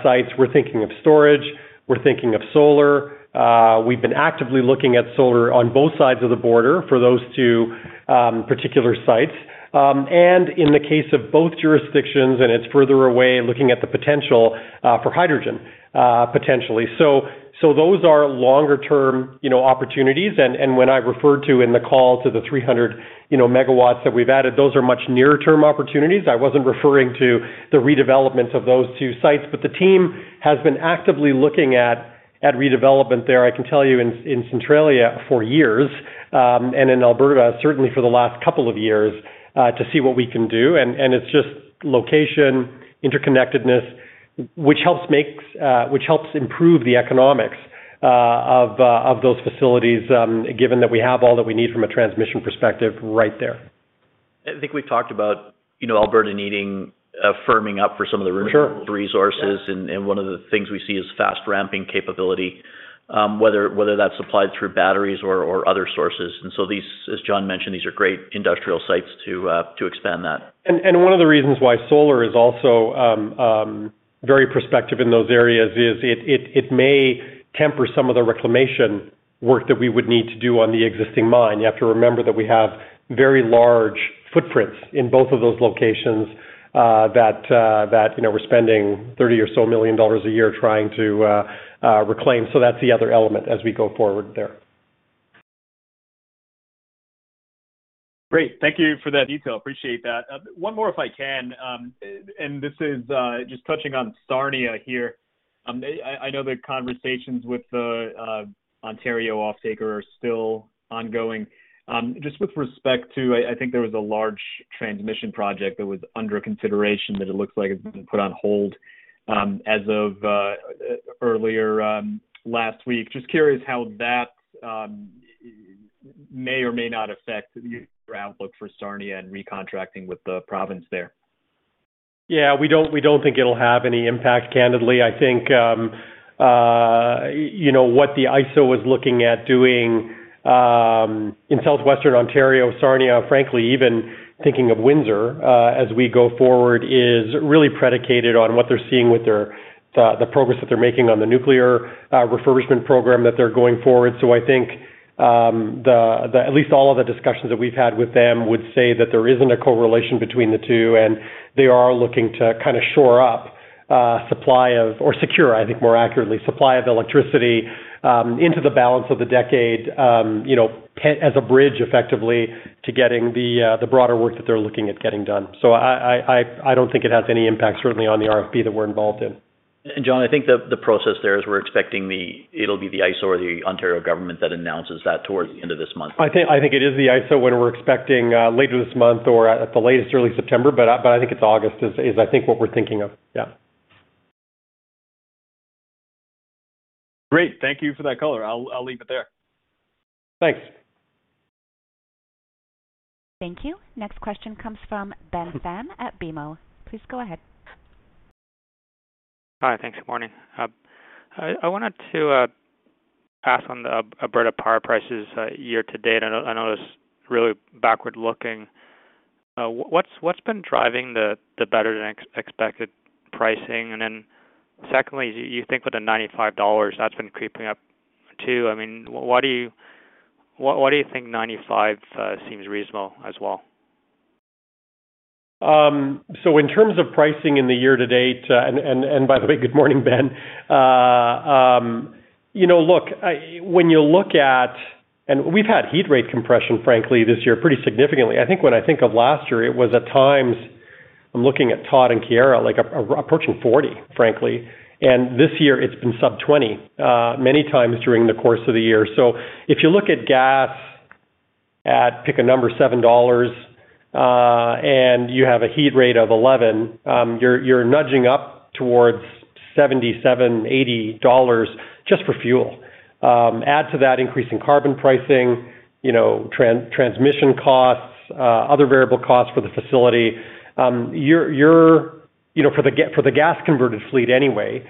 sites. We're thinking of storage, we're thinking of solar. We've been actively looking at solar on both sides of the border for those two particular sites. In the case of both jurisdictions, and it's further away, looking at the potential for hydrogen potentially. Those are longer term, you know, opportunities. When I referred to in the call to the 300, you know, megawatts that we've added, those are much nearer term opportunities. I wasn't referring to the redevelopments of those two sites. The team has been actively looking at redevelopment there. I can tell you, in Centralia for years, and in Alberta, certainly for the last couple of years, to see what we can do. It's just location, interconnectedness, which helps improve the economics of those facilities, given that we have all that we need from a transmission perspective right there. I think we've talked about, you know, Alberta needing a firming up for some of the resources. Sure. Yeah. One of the things we see is fast ramping capability, whether that's supplied through batteries or other sources. These, as John mentioned, these are great industrial sites to expand that. One of the reasons why solar is also very prospective in those areas is it may temper some of the reclamation work that we would need to do on the existing mine. You have to remember that we have very large footprints in both of those locations, that you know, we're spending 30 million or so a year trying to reclaim. That's the other element as we go forward there. Great. Thank you for that detail. Appreciate that. One more, if I can. This is just touching on Sarnia here. I know the conversations with the Ontario off-taker are still ongoing. Just with respect to, I think there was a large transmission project that was under consideration that it looks like has been put on hold, as of earlier last week. Just curious how that may or may not affect your outlook for Sarnia and recontracting with the province there. Yeah, we don't think it'll have any impact, candidly. I think, you know, what the ISO was looking at doing in southwestern Ontario, Sarnia, frankly, even thinking of Windsor, as we go forward, is really predicated on what they're seeing with the progress that they're making on the nuclear refurbishment program that they're going forward. I think, at least all of the discussions that we've had with them would say that there isn't a correlation between the two, and they are looking to kind of shore up supply or secure, I think, more accurately, supply of electricity, you know, as a bridge effectively to getting the broader work that they're looking at getting done. I don't think it has any impact, certainly on the RFP that we're involved in. John, I think the process there is we're expecting it'll be the ISO or the Ontario government that announces that towards the end of this month. I think it is the ISO, and we're expecting later this month or at the latest, early September. I think it's August, I think what we're thinking of. Yeah. Great. Thank you for that color. I'll leave it there. Thanks. Thank you. Next question comes from Ben Pham at BMO. Please go ahead. Hi. Thanks. Morning. I wanted to ask on the Alberta power prices year-to-date. I know it's really backward-looking. What's been driving the better than expected pricing? Secondly, you think with the 95 dollars that's been creeping up too, I mean, why do you think 95 seems reasonable as well? In terms of pricing in the year-to-date, and by the way, good morning, Ben. You know, look, when you look at. We've had heat rate compression, frankly this year, pretty significantly. I think when I think of last year, it was at times, I'm looking at Todd and Chiara, like approaching 40, frankly. This year it's been sub-20 many times during the course of the year. If you look at gas at, pick a number, 7 dollars, and you have a heat rate of 11, you're nudging up towards 77-80 dollars just for fuel. Add to that increase in carbon pricing, you know, transmission costs, other variable costs for the facility, you know, for the gas converted fleet anyway,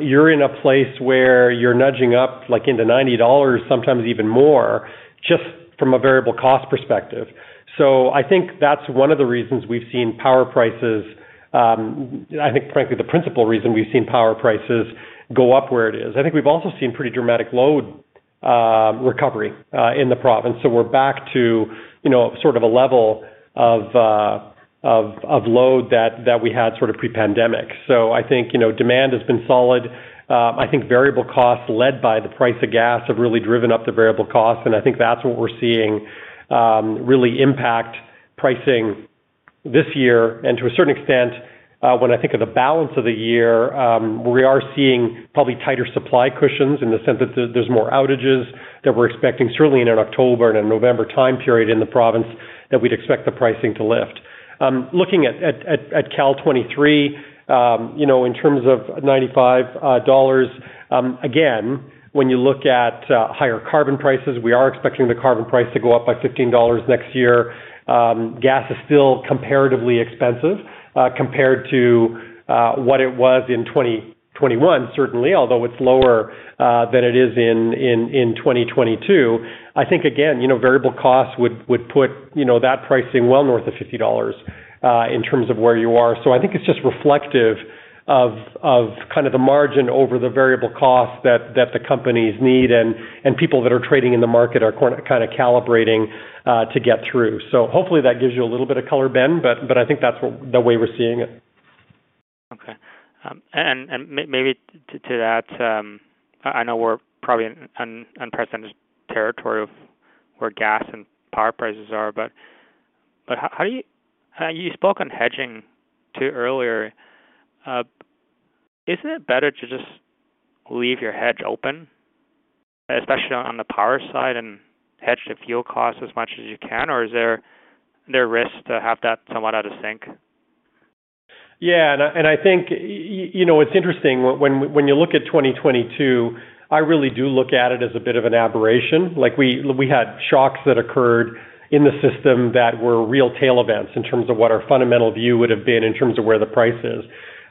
you're in a place where you're nudging up, like into 90 dollars, sometimes even more, just from a variable cost perspective. I think that's one of the reasons we've seen power prices, I think frankly, the principal reason we've seen power prices go up where it is. I think we've also seen pretty dramatic load recovery in the province. We're back to, you know, sort of a level of load that we had sort of pre-pandemic. I think, you know, demand has been solid. I think variable costs led by the price of gas have really driven up the variable costs, and I think that's what we're seeing really impact pricing this year. To a certain extent, when I think of the balance of the year, we are seeing probably tighter supply cushions in the sense that there's more outages that we're expecting, certainly in an October and a November time period in the province, that we'd expect the pricing to lift. Looking at Cal-23, you know, in terms of 95 dollars, again, when you look at higher carbon prices, we are expecting the carbon price to go up by 15 dollars next year. Gas is still comparatively expensive, compared to what it was in 2021, certainly, although it's lower than it is in 2022. I think again, you know, variable costs would put, you know, that pricing well north of 50 dollars, in terms of where you are. I think it's just reflective of kind of the margin over the variable cost that the companies need and people that are trading in the market are kind of calibrating to get through. Hopefully that gives you a little bit of color, Ben, but I think that's the way we're seeing it. Maybe to that, I know we're probably in unprecedented territory of where gas and power prices are. You spoke on hedging too earlier. Isn't it better to just leave your hedge open, especially on the power side, and hedge the fuel costs as much as you can? Or are there risks to have that somewhat out of sync? I think you know, it's interesting when you look at 2022, I really do look at it as a bit of an aberration. Like, we had shocks that occurred in the system that were real tail events in terms of what our fundamental view would have been in terms of where the price is.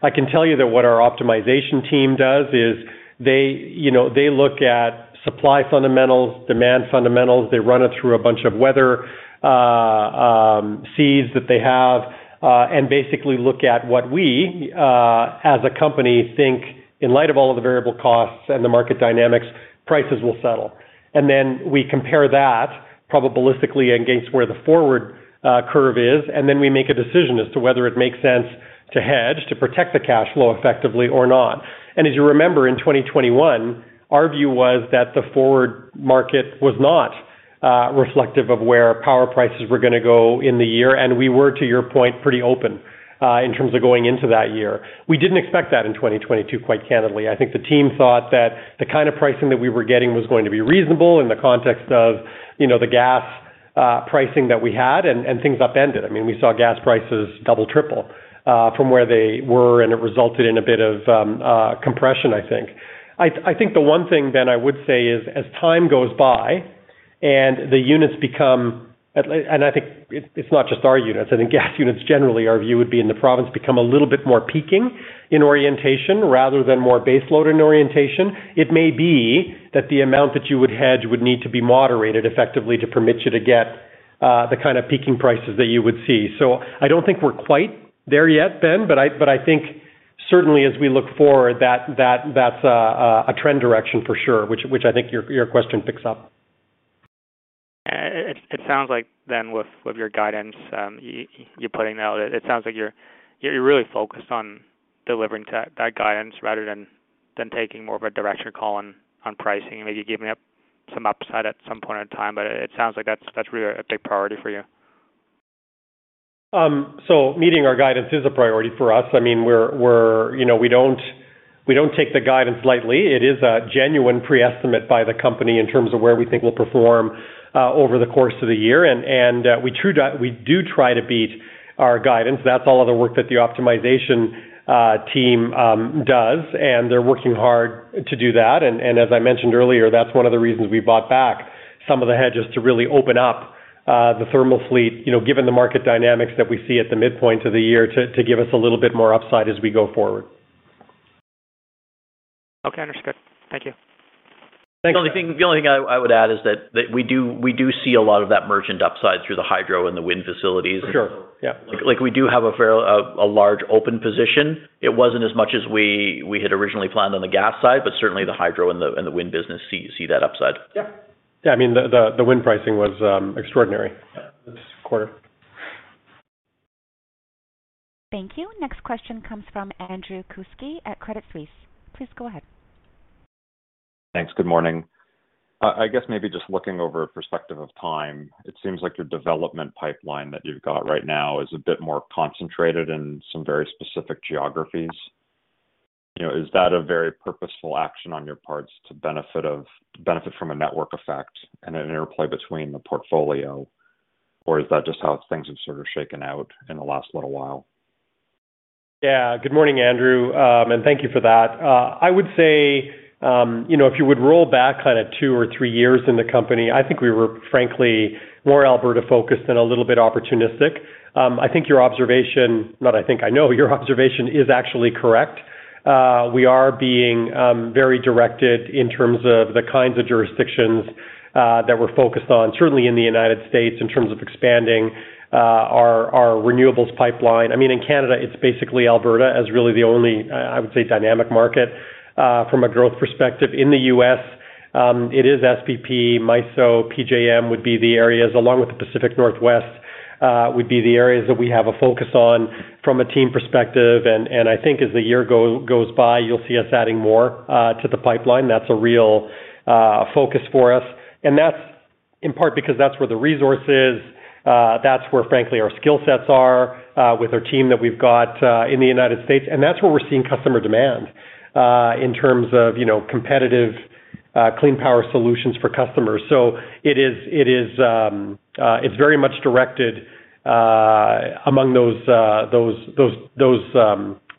I can tell you that what our optimization team does is they you know look at supply fundamentals, demand fundamentals. They run it through a bunch of weather seeds that they have and basically look at what we as a company think in light of all of the variable costs and the market dynamics, prices will settle. Then we compare that probabilistically against where the forward curve is, and then we make a decision as to whether it makes sense to hedge, to protect the cash flow effectively or not. As you remember, in 2021, our view was that the forward market was not reflective of where power prices were going to go in the year, and we were, to your point, pretty open in terms of going into that year. We didn't expect that in 2022, quite candidly. I think the team thought that the kind of pricing that we were getting was going to be reasonable in the context of, you know, the gas pricing that we had and things upended. I mean, we saw gas prices double, triple from where they were, and it resulted in a bit of compression, I think. I think the one thing then I would say is as time goes by and the units become. I think it's not just our units. I think gas units generally, our view would be, and the province become a little bit more peaking in orientation rather than more base load in orientation. It may be that the amount that you would hedge would need to be moderated effectively to permit you to get the kind of peaking prices that you would see. I don't think we're quite there yet, Ben, but I think certainly as we look forward, that's a trend direction for sure, which I think your question picks up. It sounds like then with your guidance, you're putting out. It sounds like you're really focused on delivering to that guidance rather than taking more of a directional call on pricing. Maybe giving up some upside at some point in time, but it sounds like that's really a big priority for you. Meeting our guidance is a priority for us. I mean, we're, you know, we don't take the guidance lightly. It is a genuine pre-estimate by the company in terms of where we think we'll perform over the course of the year. We do try to beat our guidance. That's all of the work that the optimization team does, and they're working hard to do that. As I mentioned earlier, that's one of the reasons we bought back some of the hedges to really open up the thermal fleet, you know, given the market dynamics that we see at the midpoint of the year to give us a little bit more upside as we go forward. Okay. Understood. Thank you. Thanks. The only thing I would add is that we do see a lot of that merchant upside through the hydro and the wind facilities. For sure. Yeah. Like, we do have a large open position. It wasn't as much as we had originally planned on the gas side, but certainly the hydro and the wind business see that upside. Yeah. I mean, the wind pricing was extraordinary this quarter. Thank you. Next question comes from Andrew Kuske at Credit Suisse. Please go ahead. Thanks. Good morning. I guess maybe just looking over a period of time, it seems like your development pipeline that you've got right now is a bit more concentrated in some very specific geographies. You know, is that a very purposeful action on your parts to benefit from a network effect and an interplay between the portfolio, or is that just how things have sort of shaken out in the last little while? Yeah. Good morning, Andrew, and thank you for that. I would say, you know, if you would roll back kind of two or three years in the company, I think we were frankly more Alberta-focused and a little bit opportunistic. I know your observation is actually correct. We are being very directed in terms of the kinds of jurisdictions that we're focused on, certainly in the United States, in terms of expanding our renewables pipeline. I mean, in Canada, it's basically Alberta as really the only, I would say, dynamic market from a growth perspective. In the US, it is SPP, MISO, PJM would be the areas, along with the Pacific Northwest, would be the areas that we have a focus on from a team perspective. I think as the year goes by, you'll see us adding more to the pipeline. That's a real focus for us. That's in part because that's where the resource is. That's where, frankly, our skill sets are with our team that we've got in the United States. That's where we're seeing customer demand in terms of, you know, competitive clean power solutions for customers. It is very much directed among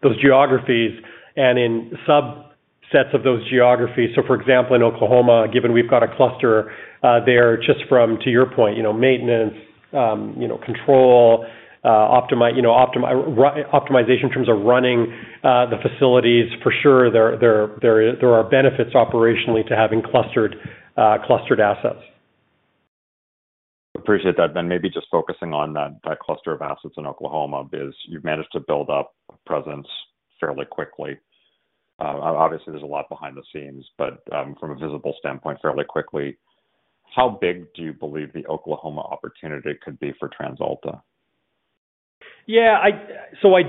those geographies and in subsets of those geographies. For example, in Oklahoma, given we've got a cluster there just from, to your point, you know, maintenance, you know, control, optimization in terms of running the facilities, for sure, there are benefits operationally to having clustered assets. Appreciate that. Maybe just focusing on that cluster of assets in Oklahoma. Because you've managed to build up a presence fairly quickly. Obviously, there's a lot behind the scenes, but from a visible standpoint, fairly quickly. How big do you believe the Oklahoma opportunity could be for TransAlta? I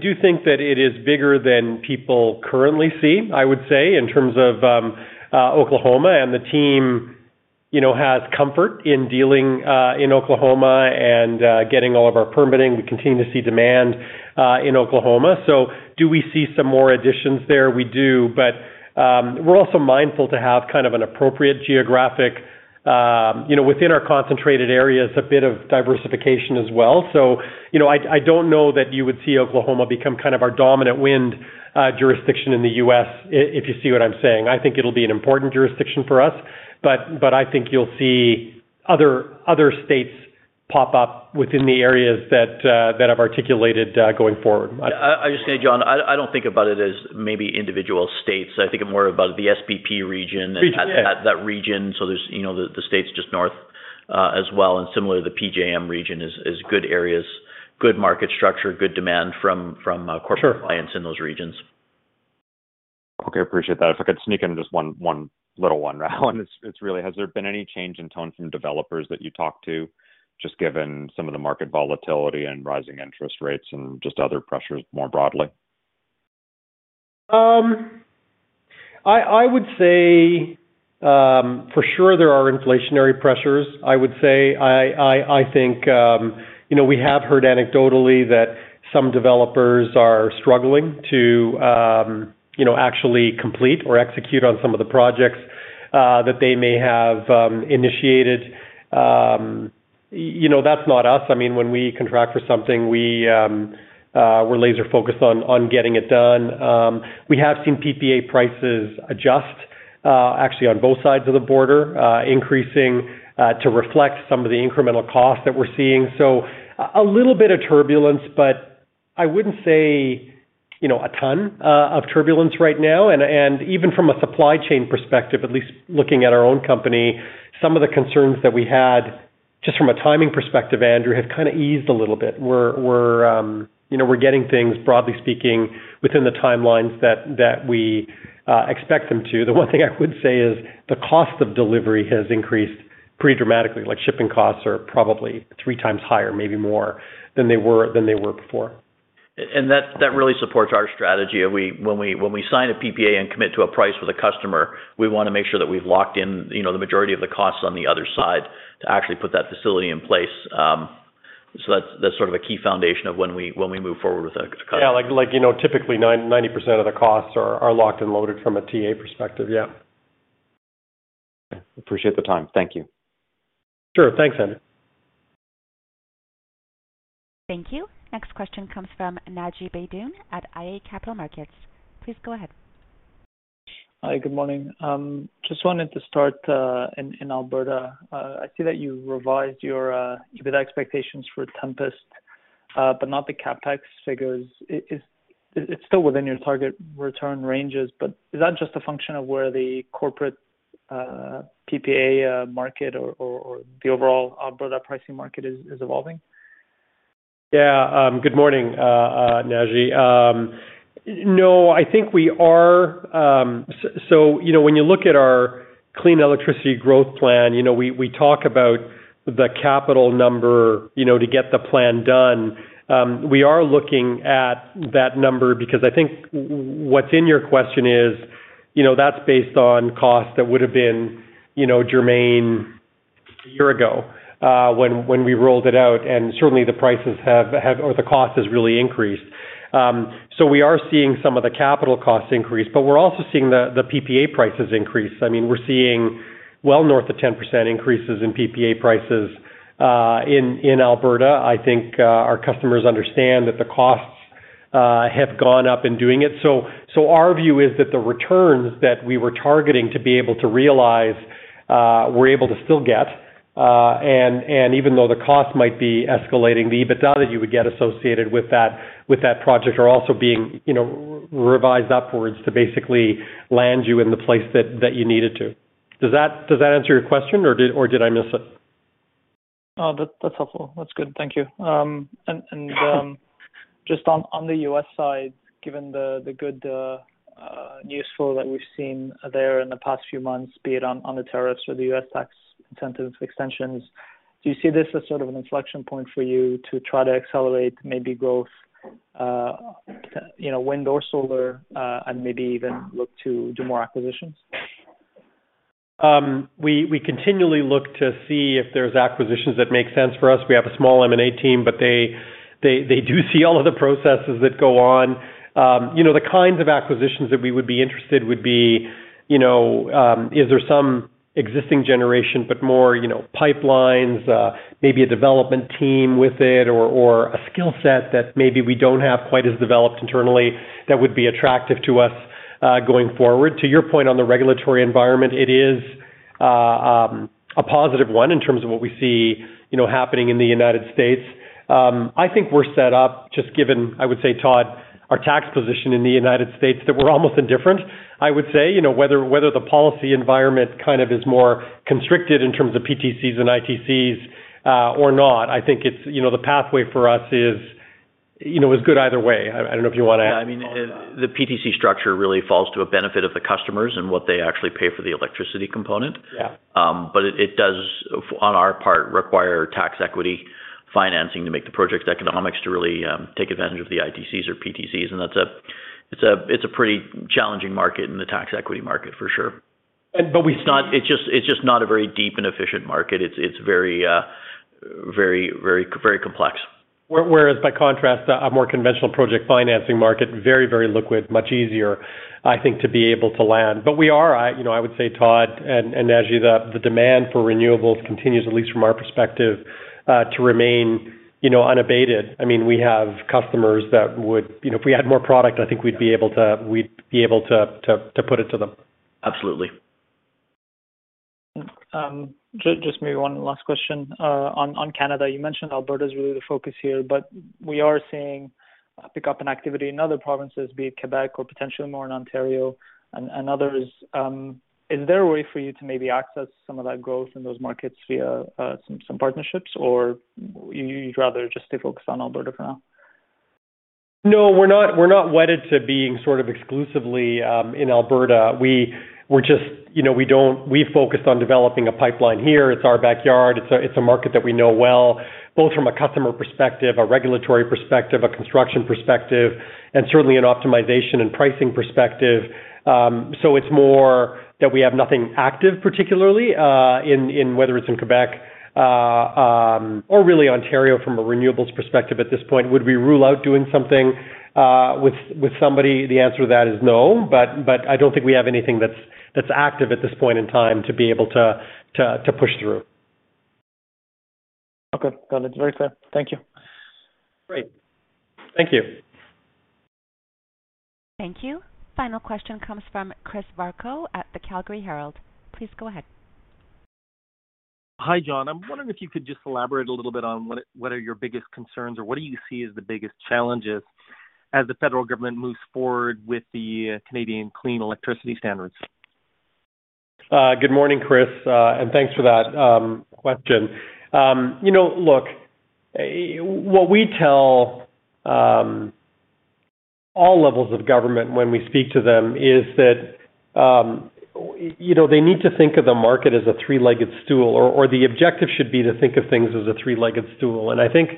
do think that it is bigger than people currently see, I would say, in terms of Oklahoma, and the team, you know, has comfort in dealing in Oklahoma and getting all of our permitting. We continue to see demand in Oklahoma. Do we see some more additions there? We do. We're also mindful to have kind of an appropriate geographic, you know, within our concentrated areas, a bit of diversification as well. You know, I don't know that you would see Oklahoma become kind of our dominant wind jurisdiction in the U.S., if you see what I'm saying. I think it'll be an important jurisdiction for us, but I think you'll see other states pop up within the areas that I've articulated going forward. I'll just say, John, I don't think about it as maybe individual states. I think more about the SPP region. Region, yeah. that region. There's, you know, the states just north, as well, and similarly, the PJM region is good areas, good market structure, good demand from corporate clients in those regions. Okay, appreciate that. If I could sneak in just one little one, it's really has there been any change in tone from developers that you talk to, just given some of the market volatility and rising interest rates and just other pressures more broadly? I would say, for sure there are inflationary pressures. I think, you know, we have heard anecdotally that some developers are struggling to, you know, actually complete or execute on some of the projects that they may have initiated. You know, that's not us. I mean, when we contract for something, we're laser-focused on getting it done. We have seen PPA prices adjust, actually on both sides of the border, increasing, to reflect some of the incremental costs that we're seeing. A little bit of turbulence, but I wouldn't say, you know, a ton of turbulence right now. Even from a supply chain perspective, at least looking at our own company, some of the concerns that we had just from a timing perspective, Andrew, have kinda eased a little bit. We're you know, we're getting things, broadly speaking, within the timelines that we expect them to. The one thing I would say is the cost of delivery has increased pretty dramatically, like shipping costs are probably three times higher, maybe more than they were before. That really supports our strategy. When we sign a PPA and commit to a price with a customer, we wanna make sure that we've locked in, you know, the majority of the costs on the other side to actually put that facility in place. That's sort of a key foundation of when we move forward with a customer. Yeah, like, you know, typically 99% of the costs are locked and loaded from a TA perspective. Yeah. Appreciate the time. Thank you. Sure. Thanks, Andrew. Thank you. Next question comes from Naji Baydoun at iA Capital Markets. Please go ahead. Hi. Good morning. Just wanted to start in Alberta. I see that you revised your EBITDA expectations for Tempest, but not the CapEx figures. It's still within your target return ranges, but is that just a function of where the corporate PPA market or the overall Alberta pricing market is evolving? Yeah. Good morning, Naji. No, I think we are. You know, when you look at our clean electricity growth plan, you know, we talk about the capital number, you know, to get the plan done. We are looking at that number because I think what's in your question is, you know, that's based on costs that would have been, you know, germane a year ago, when we rolled it out, and certainly the prices have or the cost has really increased. We are seeing some of the capital costs increase, but we're also seeing the PPA prices increase. I mean, we're seeing well north of 10% increases in PPA prices in Alberta. I think our customers understand that the costs have gone up in doing it. Our view is that the returns that we were targeting to be able to realize, we're able to still get, and even though the cost might be escalating, the EBITDA that you would get associated with that project are also being, you know, revised upwards to basically land you in the place that you needed to. Does that answer your question or did I miss it? Oh, that's helpful. That's good. Thank you. Just on the US side, given the good news flow that we've seen there in the past few months, be it on the tariffs or the US tax incentive extensions, do you see this as sort of an inflection point for you to try to accelerate maybe growth, you know, wind or solar, and maybe even look to do more acquisitions? We continually look to see if there's acquisitions that make sense for us. We have a small M&A team, but they do see all of the processes that go on. You know, the kinds of acquisitions that we would be interested would be, you know, is there some existing generation, but more, you know, pipelines, maybe a development team with it or a skill set that maybe we don't have quite as developed internally that would be attractive to us, going forward. To your point on the regulatory environment, it is a positive one in terms of what we see, you know, happening in the United States. I think we're set up just given, I would say, Todd, our tax position in the United States, that we're almost indifferent, I would say. You know, whether the policy environment kind of is more constricted in terms of PTCs and ITCs or not, I think it's, you know, the pathway for us is. You know, it was good either way. I don't know if you wanna- Yeah, I mean, the PTC structure really falls to a benefit of the customers and what they actually pay for the electricity component. Yeah. It does, on our part, require tax equity financing to make the project's economics to really take advantage of the ITCs or PTCs. It's a pretty challenging market in the tax equity market for sure. And, but we- It's just not a very deep and efficient market. It's very complex. Whereas by contrast, a more conventional project financing market, very liquid, much easier, I think, to be able to land. We are, you know, I would say, Todd and Naji, the demand for renewables continues, at least from our perspective, to remain, you know, unabated. I mean, we have customers that would. You know, if we had more product, I think we'd be able to put it to them. Absolutely. Just maybe one last question, on Canada. You mentioned Alberta is really the focus here, but we are seeing a pickup in activity in other provinces, be it Quebec or potentially more in Ontario and others. Is there a way for you to maybe access some of that growth in those markets via some partnerships? Or you'd rather just stay focused on Alberta for now? No, we're not wedded to being sort of exclusively in Alberta. We're just you know we focused on developing a pipeline here. It's our backyard. It's a market that we know well, both from a customer perspective, a regulatory perspective, a construction perspective, and certainly an optimization and pricing perspective. So it's more that we have nothing active, particularly in whether it's in Quebec or really Ontario from a renewables perspective at this point. Would we rule out doing something with somebody? The answer to that is no. I don't think we have anything that's active at this point in time to be able to push through. Okay. No, that's very fair. Thank you. Great. Thank you. Thank you. Final question comes from Chris Varcoe at the Calgary Herald. Please go ahead. Hi, John. I'm wondering if you could just elaborate a little bit on what are your biggest concerns or what do you see as the biggest challenges as the federal government moves forward with the Clean Electricity Standard? Good morning, Chris, and thanks for that question. You know, look, what we tell all levels of government when we speak to them is that, you know, they need to think of the market as a three-legged stool, or the objective should be to think of things as a three-legged stool. I think,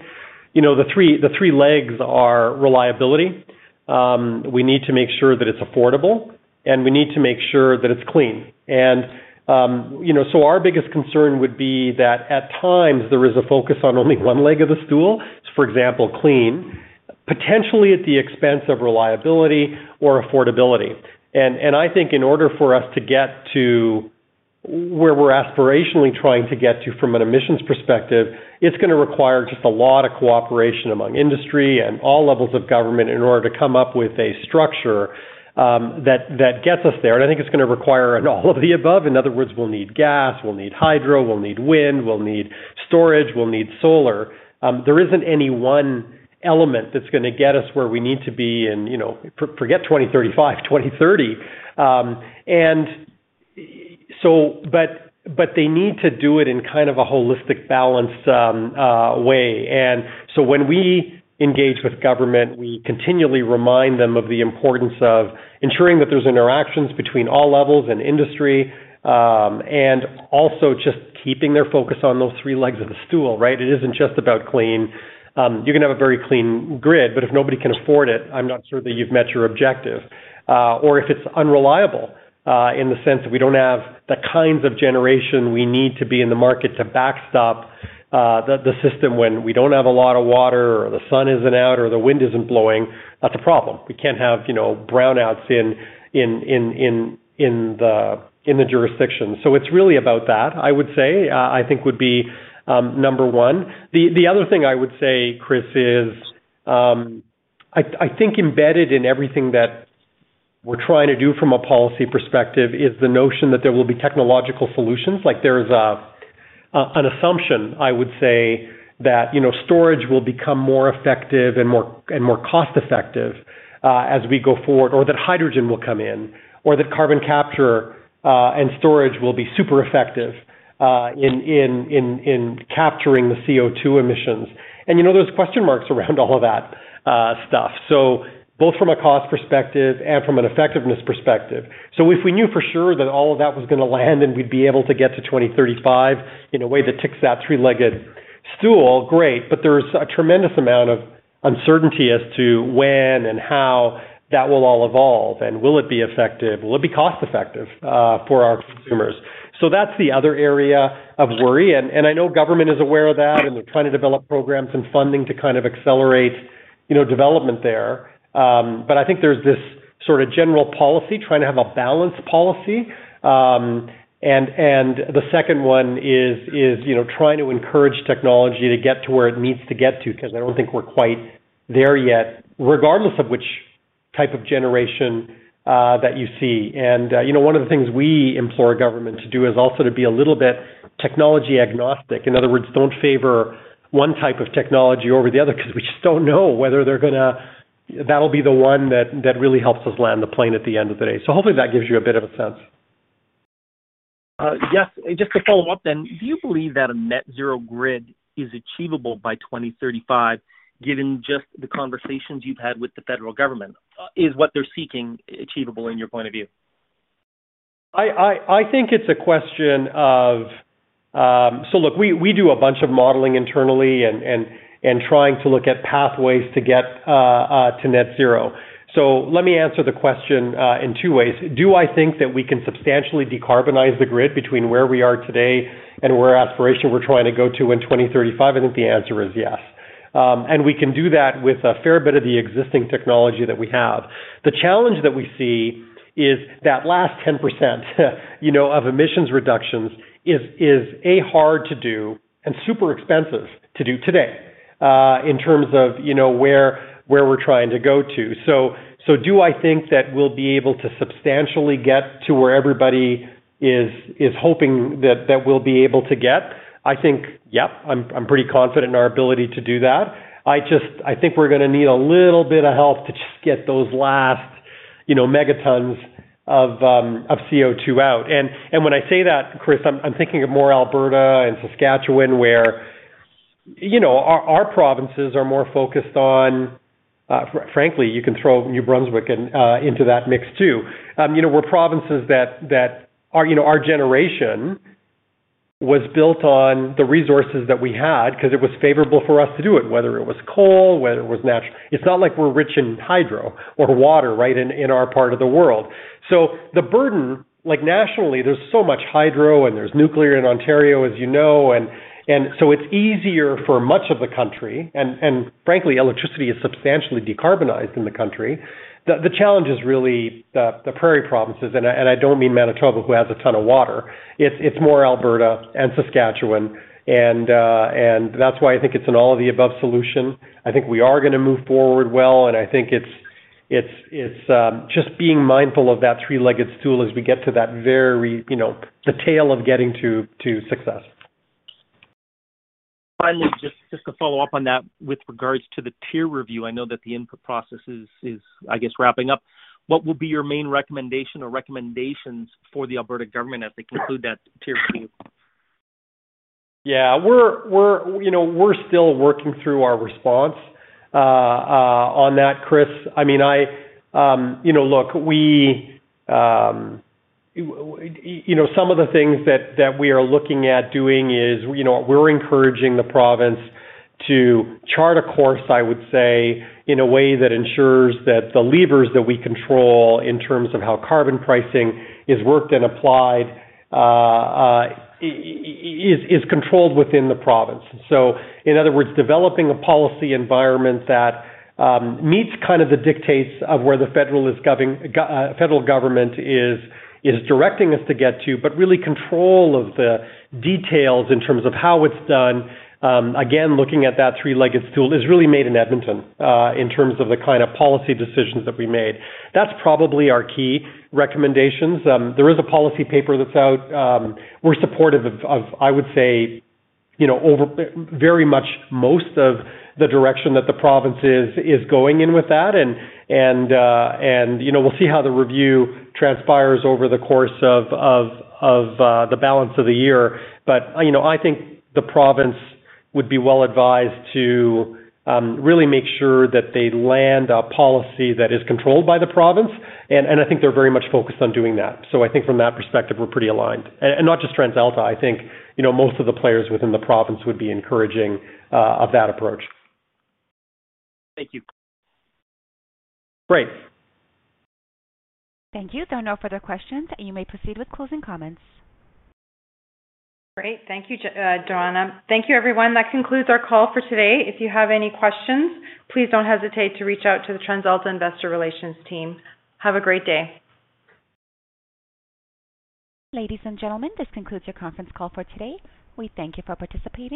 you know, the three legs are reliability, we need to make sure that it's affordable, and we need to make sure that it's clean. You know, so our biggest concern would be that at times there is a focus on only one leg of the stool, for example, clean, potentially at the expense of reliability or affordability. I think in order for us to get to where we're aspirationally trying to get to from an emissions perspective, it's gonna require just a lot of cooperation among industry and all levels of government in order to come up with a structure that gets us there. I think it's gonna require an all of the above. In other words, we'll need gas, we'll need hydro, we'll need wind, we'll need storage, we'll need solar. There isn't any one element that's gonna get us where we need to be in, you know, forget 2035, 2030. They need to do it in kind of a holistic balanced way. When we engage with government, we continually remind them of the importance of ensuring that there's interactions between all levels and industry, and also just keeping their focus on those three legs of the stool, right? It isn't just about clean. You can have a very clean grid, but if nobody can afford it, I'm not sure that you've met your objective. Or if it's unreliable, in the sense that we don't have the kinds of generation we need to be in the market to backstop the system when we don't have a lot of water or the sun isn't out or the wind isn't blowing, that's a problem. We can't have, you know, brownouts in the jurisdiction. It's really about that, I would say, I think would be number one. The other thing I would say, Chris, is, I think embedded in everything that we're trying to do from a policy perspective is the notion that there will be technological solutions. Like, there's an assumption, I would say, that, you know, storage will become more effective and more cost-effective as we go forward, or that hydrogen will come in, or that carbon capture and storage will be super effective in capturing the CO₂ emissions. You know, there's question marks around all of that stuff. Both from a cost perspective and from an effectiveness perspective. If we knew for sure that all of that was gonna land and we'd be able to get to 2035 in a way that ticks that three-legged stool, great. There's a tremendous amount of uncertainty as to when and how that will all evolve. Will it be effective? Will it be cost-effective for our consumers? That's the other area of worry. I know government is aware of that, and they're trying to develop programs and funding to kind of accelerate, you know, development there. I think there's this sort of general policy, trying to have a balanced policy. The second one is, you know, trying to encourage technology to get to where it needs to get to, because I don't think we're quite there yet, regardless of which type of generation that you see. You know, one of the things we implore government to do is also to be a little bit technology agnostic. In other words, don't favor one type of technology over the other because we just don't know whether that'll be the one that really helps us land the plane at the end of the day. Hopefully that gives you a bit of a sense. Yes. Just to follow up then, do you believe that a net zero grid is achievable by 2035 given just the conversations you've had with the federal government? Is what they're seeking achievable in your point of view? I think it's a question of. Look, we do a bunch of modeling internally and trying to look at pathways to get to net zero. Let me answer the question in two ways. Do I think that we can substantially decarbonize the grid between where we are today and where aspiration we're trying to go to in 2035? I think the answer is yes. We can do that with a fair bit of the existing technology that we have. The challenge that we see is that last 10% you know, of emissions reductions is a hard to do and super expensive to do today in terms of you know, where we're trying to go to. Do I think that we'll be able to substantially get to where everybody is hoping that we'll be able to get? I think, yep. I'm pretty confident in our ability to do that. I just I think we're gonna need a little bit of help to just get those last, you know, megatons of CO2 out. When I say that, Chris, I'm thinking of more Alberta and Saskatchewan where, you know, our provinces are more focused on, frankly, you can throw New Brunswick into that mix too. You know, we're provinces that our generation was built on the resources that we had 'cause it was favorable for us to do it, whether it was coal, whether it was natural. It's not like we're rich in hydro or water, right, in our part of the world. The burden, like nationally, there's so much hydro and there's nuclear in Ontario as you know. It's easier for much of the country, and frankly, electricity is substantially decarbonized in the country. The challenge is really the prairie provinces and I don't mean Manitoba who has a ton of water. It's more Alberta and Saskatchewan. That's why I think it's an all-of-the-above solution. I think we are gonna move forward well, and I think it's just being mindful of that three-legged stool as we get to that very, you know, the tail of getting to success. Finally, just to follow up on that with regards to the TIER review. I know that the input process is, I guess, wrapping up. What will be your main recommendation or recommendations for the Alberta government as they conclude that TIER review? Yeah. We're you know still working through our response on that, Chris. I mean you know look we you know some of the things that we are looking at doing is you know we're encouraging the province to chart a course, I would say, in a way that ensures that the levers that we control in terms of how carbon pricing is worked and applied is controlled within the province. In other words, developing a policy environment that meets kind of the dictates of where the federal government is going. Really control of the details in terms of how it's done again looking at that three-legged stool is really made in Edmonton in terms of the kind of policy decisions that we made. That's probably our key recommendations. There is a policy paper that's out. We're supportive of, I would say, you know, over very much most of the direction that the province is going in with that. We'll see how the review transpires over the course of the balance of the year. You know, I think the province would be well advised to really make sure that they land a policy that is controlled by the province, and I think they're very much focused on doing that. I think from that perspective, we're pretty aligned. Not just TransAlta. I think, you know, most of the players within the province would be encouraging of that approach. Thank you. Great. Thank you. There are no further questions. You may proceed with closing comments. Great. Thank you, Joanna. Thank you, everyone. That concludes our call for today. If you have any questions, please don't hesitate to reach out to the TransAlta investor relations team. Have a great day. Ladies and gentlemen, this concludes your conference call for today. We thank you for participating